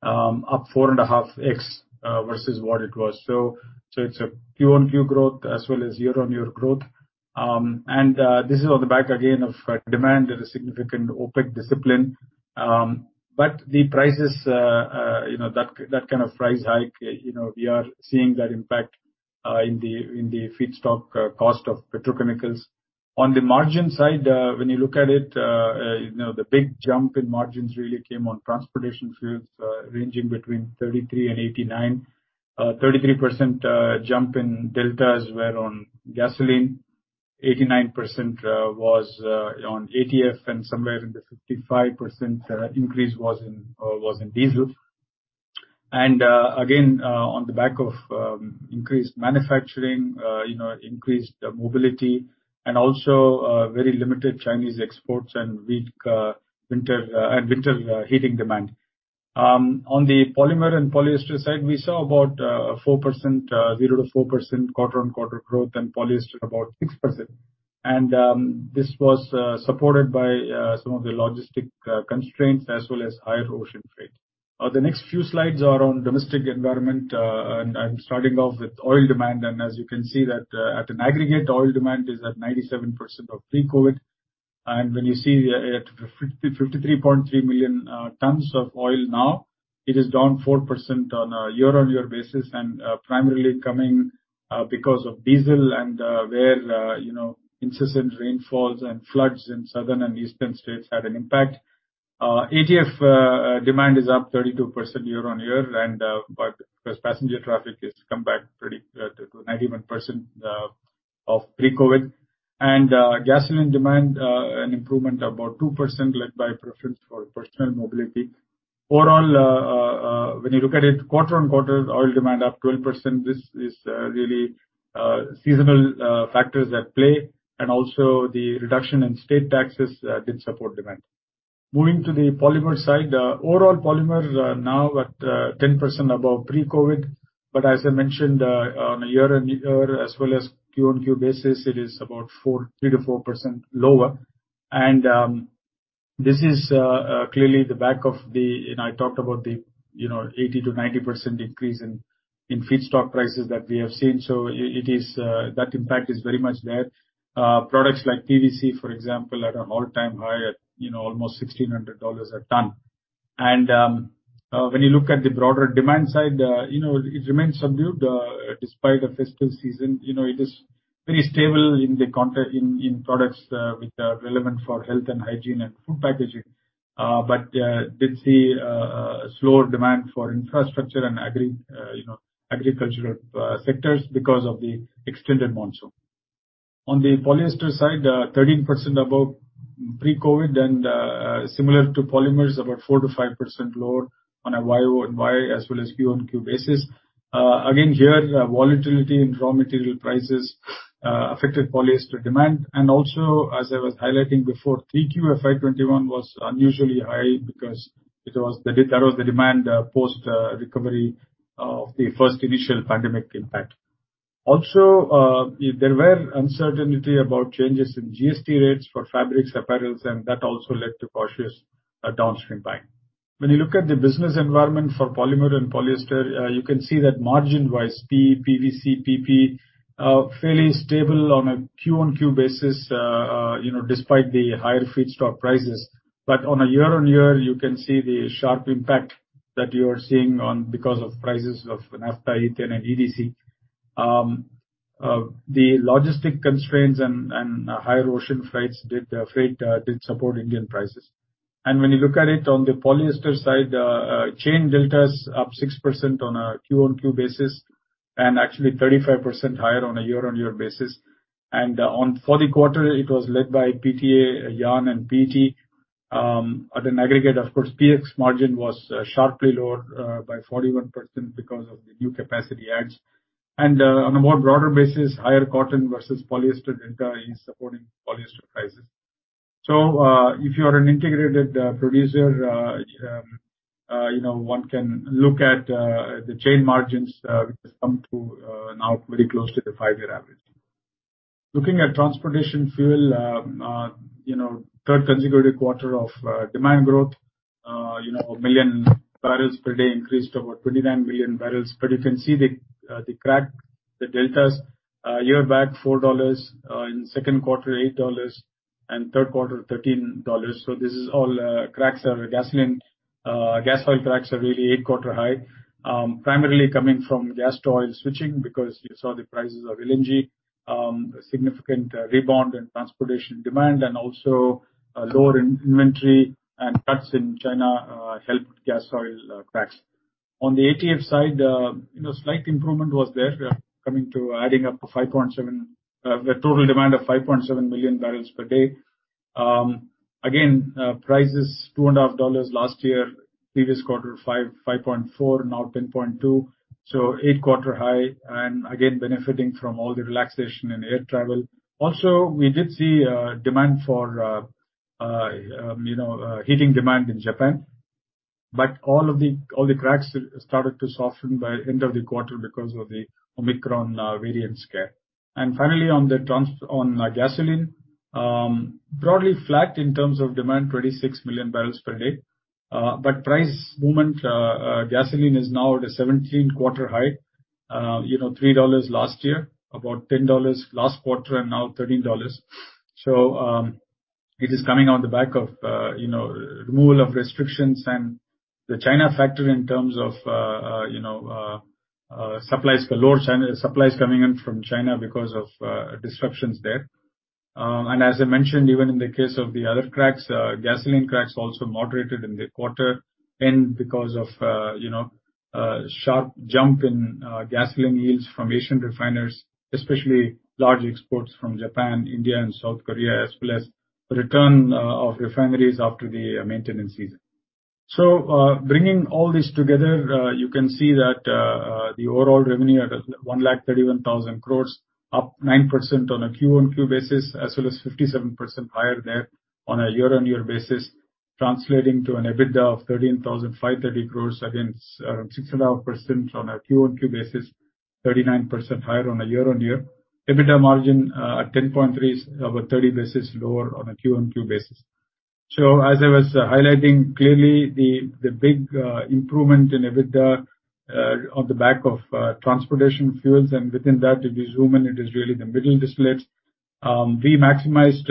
up 4.5x versus what it was. It's a quarter-over-quarter growth as well as year-on-year growth. This is on the back again of demand and a significant OPEC discipline. The prices, you know, that kind of price hike, you know, we are seeing that impact in the feedstock cost of petrochemicals. On the margin side, when you look at it, you know, the big jump in margins really came on transportation fuels, ranging between 33% and 89%. 33% jump in delta is where on gasoline. 89% was on ATF, and somewhere in the 55% increase was in diesel. On the back of increased manufacturing, you know, increased mobility and also very limited Chinese exports and weak winter heating demand. On the polymer and polyester side, we saw about 0%-4% quarter-on-quarter growth, and polyester about 6%. This was supported by some of the logistics constraints as well as higher ocean freight. The next few slides are on domestic environment, and I'm starting off with oil demand. As you can see that at an aggregate, oil demand is at 97% of pre-COVID. When you see at 53.3 million tons of oil now, it is down 4% on a year-on-year basis and primarily coming because of diesel and where you know incessant rainfalls and floods in southern and eastern states had an impact. ATF demand is up 32% year-on-year and, but as passenger traffic is come back pretty to 91% of pre-COVID. Gasoline demand an improvement about 2% led by preference for personal mobility. Overall, when you look at it quarter-on-quarter, oil demand up 12%. This is really seasonal factors at play and also the reduction in state taxes did support demand. Moving to the polymer side. Overall polymers are now at 10% above pre-COVID. But as I mentioned, on a year-on-year as well as Q-on-Q basis, it is about three to four percent lower. This is clearly the back of the, I talked about the, you know, 80%-90% increase in feedstock prices that we have seen. It is that impact is very much there. Products like PVC, for example, at an all-time high at, you know, almost $1,600 a ton. When you look at the broader demand side, you know, it remains subdued despite the festival season. You know, it is pretty stable in the in products which are relevant for health and hygiene and food packaging. But did see a slower demand for infrastructure and agricultural sectors because of the extended monsoon. On the polyester side, 13% above pre-COVID and, similar to polymers, about 4%-5% lower on a year-over-year as well as quarter-over-quarter basis. Again, here volatility in raw material prices affected polyester demand. Also, as I was highlighting before, 3Q of FY 2021 was unusually high because that was the demand post recovery of the first initial pandemic impact. Also, there were uncertainty about changes in GST rates for fabrics, apparels, and that also led to cautious downstream buying. When you look at the business environment for polymer and polyester, you can see that margin-wise, PE, PVC, PP are fairly stable on a Q-on-Q basis, you know, despite the higher feedstock prices. But on a year-on-year, you can see the sharp impact that you are seeing on because of prices of naphtha, ethane, and EDC. The logistics constraints and higher ocean freights did support Indian prices. When you look at it on the polyester side, chain deltas up 6% on a Q-on-Q basis and actually 35% higher on a year-on-year basis. On for the quarter, it was led by PTA, yarn, and PT. At an aggregate, of course, PX margin was sharply lower by 41% because of the new capacity adds. On a more broader basis, higher cotton versus polyester delta is supporting polyester prices. If you are an integrated producer, you know, one can look at the chain margins, which has come to now very close to the five-year average. Looking at transportation fuel, you know, third consecutive quarter of demand growth, you know, 1 million barrels per day increased over 29 million barrels. You can see the cracks, the deltas, year back $4, in second quarter $8 and third quarter $13. This is all, cracks are gasoline. Gas oil cracks are really eight-quarter high, primarily coming from gas oil switching because you saw the prices of LNG, significant rebound in transportation demand and also lower in inventory and cuts in China, helped gas oil cracks. On the ATF side, slight improvement was there, coming to adding up to the total demand of 5.7 million barrels per day. Again, prices $2.5 last year, previous quarter 5.4, now 10.2, so eight quarter high. Again benefiting from all the relaxation in air travel. We did see demand for you know heating demand in Japan. All the cracks started to soften by end of the quarter because of the Omicron variant scare. Finally, on gasoline, broadly flat in terms of demand, 26 million barrels per day. Price movement, gasoline is now at a 17-quarter high. You know, $3 last year, about $10 last quarter, and now $13. It is coming on the back of you know removal of restrictions and the China factor in terms of you know lower supplies coming in from China because of disruptions there. As I mentioned, even in the case of the other cracks, gasoline cracks also moderated in the quarter end because of, you know, sharp jump in, gasoline yields from Asian refiners, especially large exports from Japan, India and South Korea, as well as return, of refineries after the maintenance season. Bringing all this together, you can see that, the overall revenue at 131,000 crores, up 9% on a QOQ basis, as well as 57% higher there on a year-on-year basis, translating to an EBITDA of 13,530 crore, up 6.5% on a QOQ basis, 39% higher on a year-on-year. EBITDA margin at 10.3%, over 30 basis lower on a QOQ basis. As I was highlighting clearly the big improvement in EBITDA on the back of transportation fuels, and within that if you zoom in, it is really the middle distillates. We maximized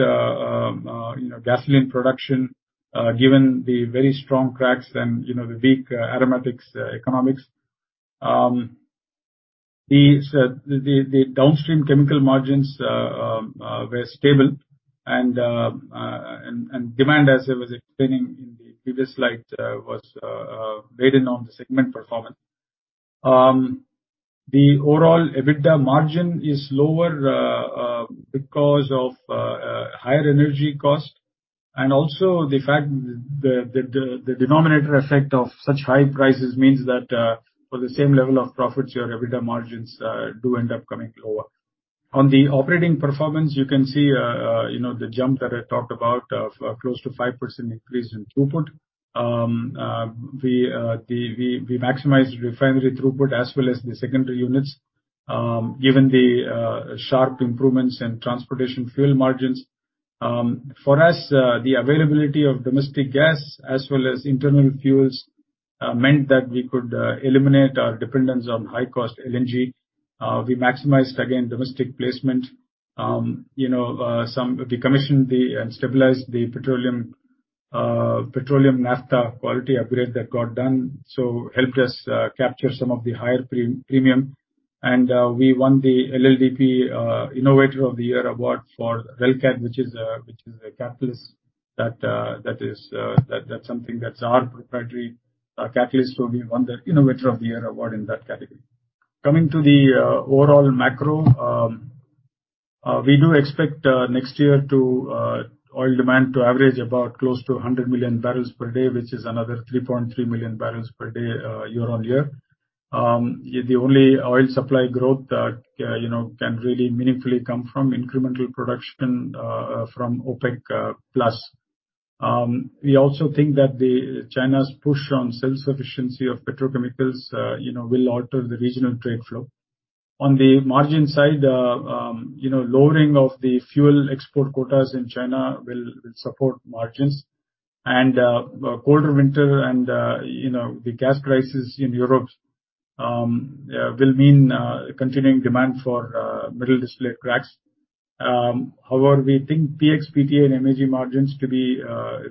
you know gasoline production given the very strong cracks and you know the weak aromatics economics. The downstream chemical margins were stable and demand as I was explaining in the previous slide was weighed in on the segment performance. The overall EBITDA margin is lower because of higher energy cost and also the fact the denominator effect of such high prices means that for the same level of profits, your EBITDA margins do end up coming lower. On the operating performance, you can see, you know, the jump that I talked about of close to 5% increase in throughput. We maximized refinery throughput as well as the secondary units, given the sharp improvements in transportation fuel margins. For us, the availability of domestic gas as well as internal fuels meant that we could eliminate our dependence on high-cost LNG. We maximized again domestic placement. We commissioned and stabilized the petroleum naphtha quality upgrade that got done, so helped us capture some of the higher premium. We won the LLDPE Innovator of the Year award for RELCAT, which is a catalyst that's something that's our proprietary catalyst. We won the Innovator of the Year award in that category. Coming to the overall macro, we do expect next year to oil demand to average about close to 100 million barrels per day, which is another 3.3 million barrels per day year-on-year. The only oil supply growth that you know can really meaningfully come from incremental production from OPEC+. We also think that China's push on self-sufficiency of petrochemicals you know will alter the regional trade flow. On the margin side, you know lowering of the fuel export quotas in China will support margins. Colder winter and you know the gas prices in Europe will mean continuing demand for middle distillate cracks. However, we think PX, PTA and MEG margins to be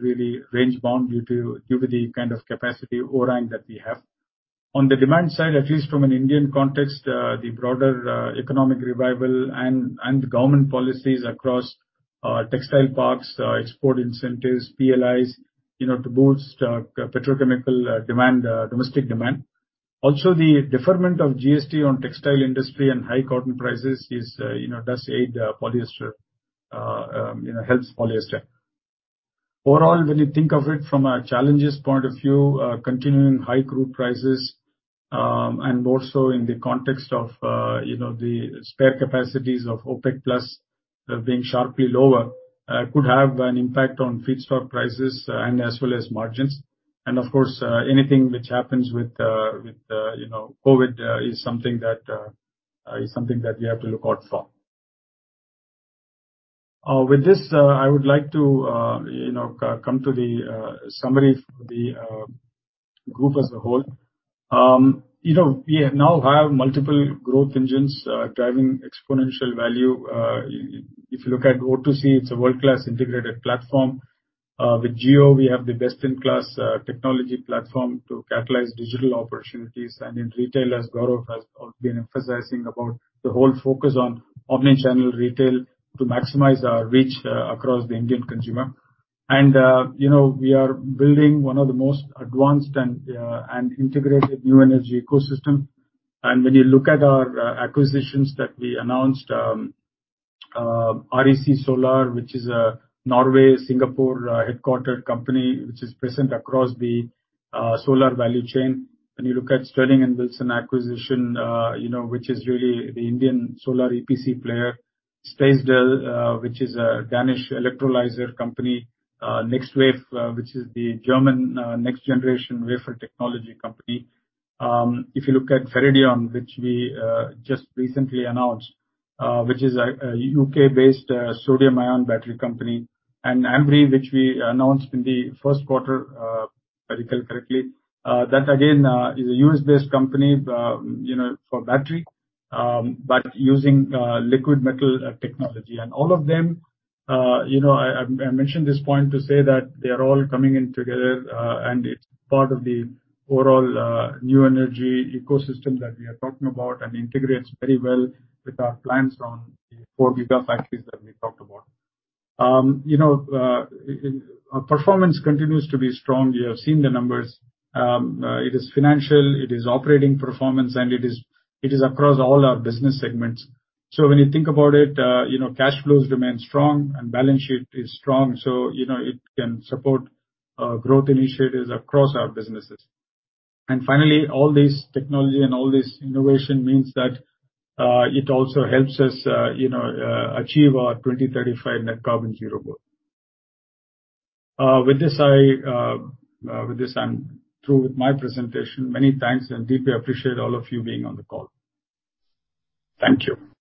really range-bound due to the kind of capacity overhang that we have. On the demand side, at least from an Indian context, the broader economic revival and government policies across textile parks, export incentives, PLIs, you know, to boost petrochemical demand, domestic demand. Also, the deferment of GST on textile industry and high cotton prices is, you know, does aid polyester, you know, helps polyester. Overall, when you think of it from a challenges point of view, continuing high crude prices, and more so in the context of, you know, the spare capacities of OPEC+ being sharply lower, could have an impact on feedstock prices and as well as margins. Of course, anything which happens with COVID is something that we have to look out for. With this, I would like to, you know, come to the summary for the group as a whole. You know, we now have multiple growth engines driving exponential value. If you look at O2C, it's a world-class integrated platform. With Jio, we have the best-in-class technology platform to catalyze digital opportunities. In retail, as Gaurav has been emphasizing about the whole focus on omnichannel retail to maximize our reach across the Indian consumer. You know, we are building one of the most advanced and integrated new energy ecosystem. When you look at our acquisitions that we announced, REC Solar, which is a Norway-Singapore headquartered company, which is present across the solar value chain. When you look at Sterling & Wilson acquisition, you know, which is really the Indian solar EPC player. Stiesdal, which is a Danish electrolyzer company. NexWafe, which is the German next-generation wafer technology company. If you look at Faradion, which we just recently announced, which is a U.K.-based sodium-ion battery company. Ambri, which we announced in the first quarter, if I recall correctly, that again is a U.S.-based company, you know, for battery, but using liquid metal technology. All of them, you know, I mentioned this point to say that they are all coming in together, and it's part of the overall, new energy ecosystem that we are talking about, and integrates very well with our plans around the four gigafactories that we talked about. You know, our performance continues to be strong. You have seen the numbers. It is financial, it is operating performance, and it is across all our business segments. When you think about it, you know, cash flows remain strong and balance sheet is strong, you know, it can support, growth initiatives across our businesses. Finally, all this technology and all this innovation means that, it also helps us, you know, achieve our 2035 net carbon zero goal. With this I'm through with my presentation. Many thanks, and I deeply appreciate all of you being on the call. Thank you.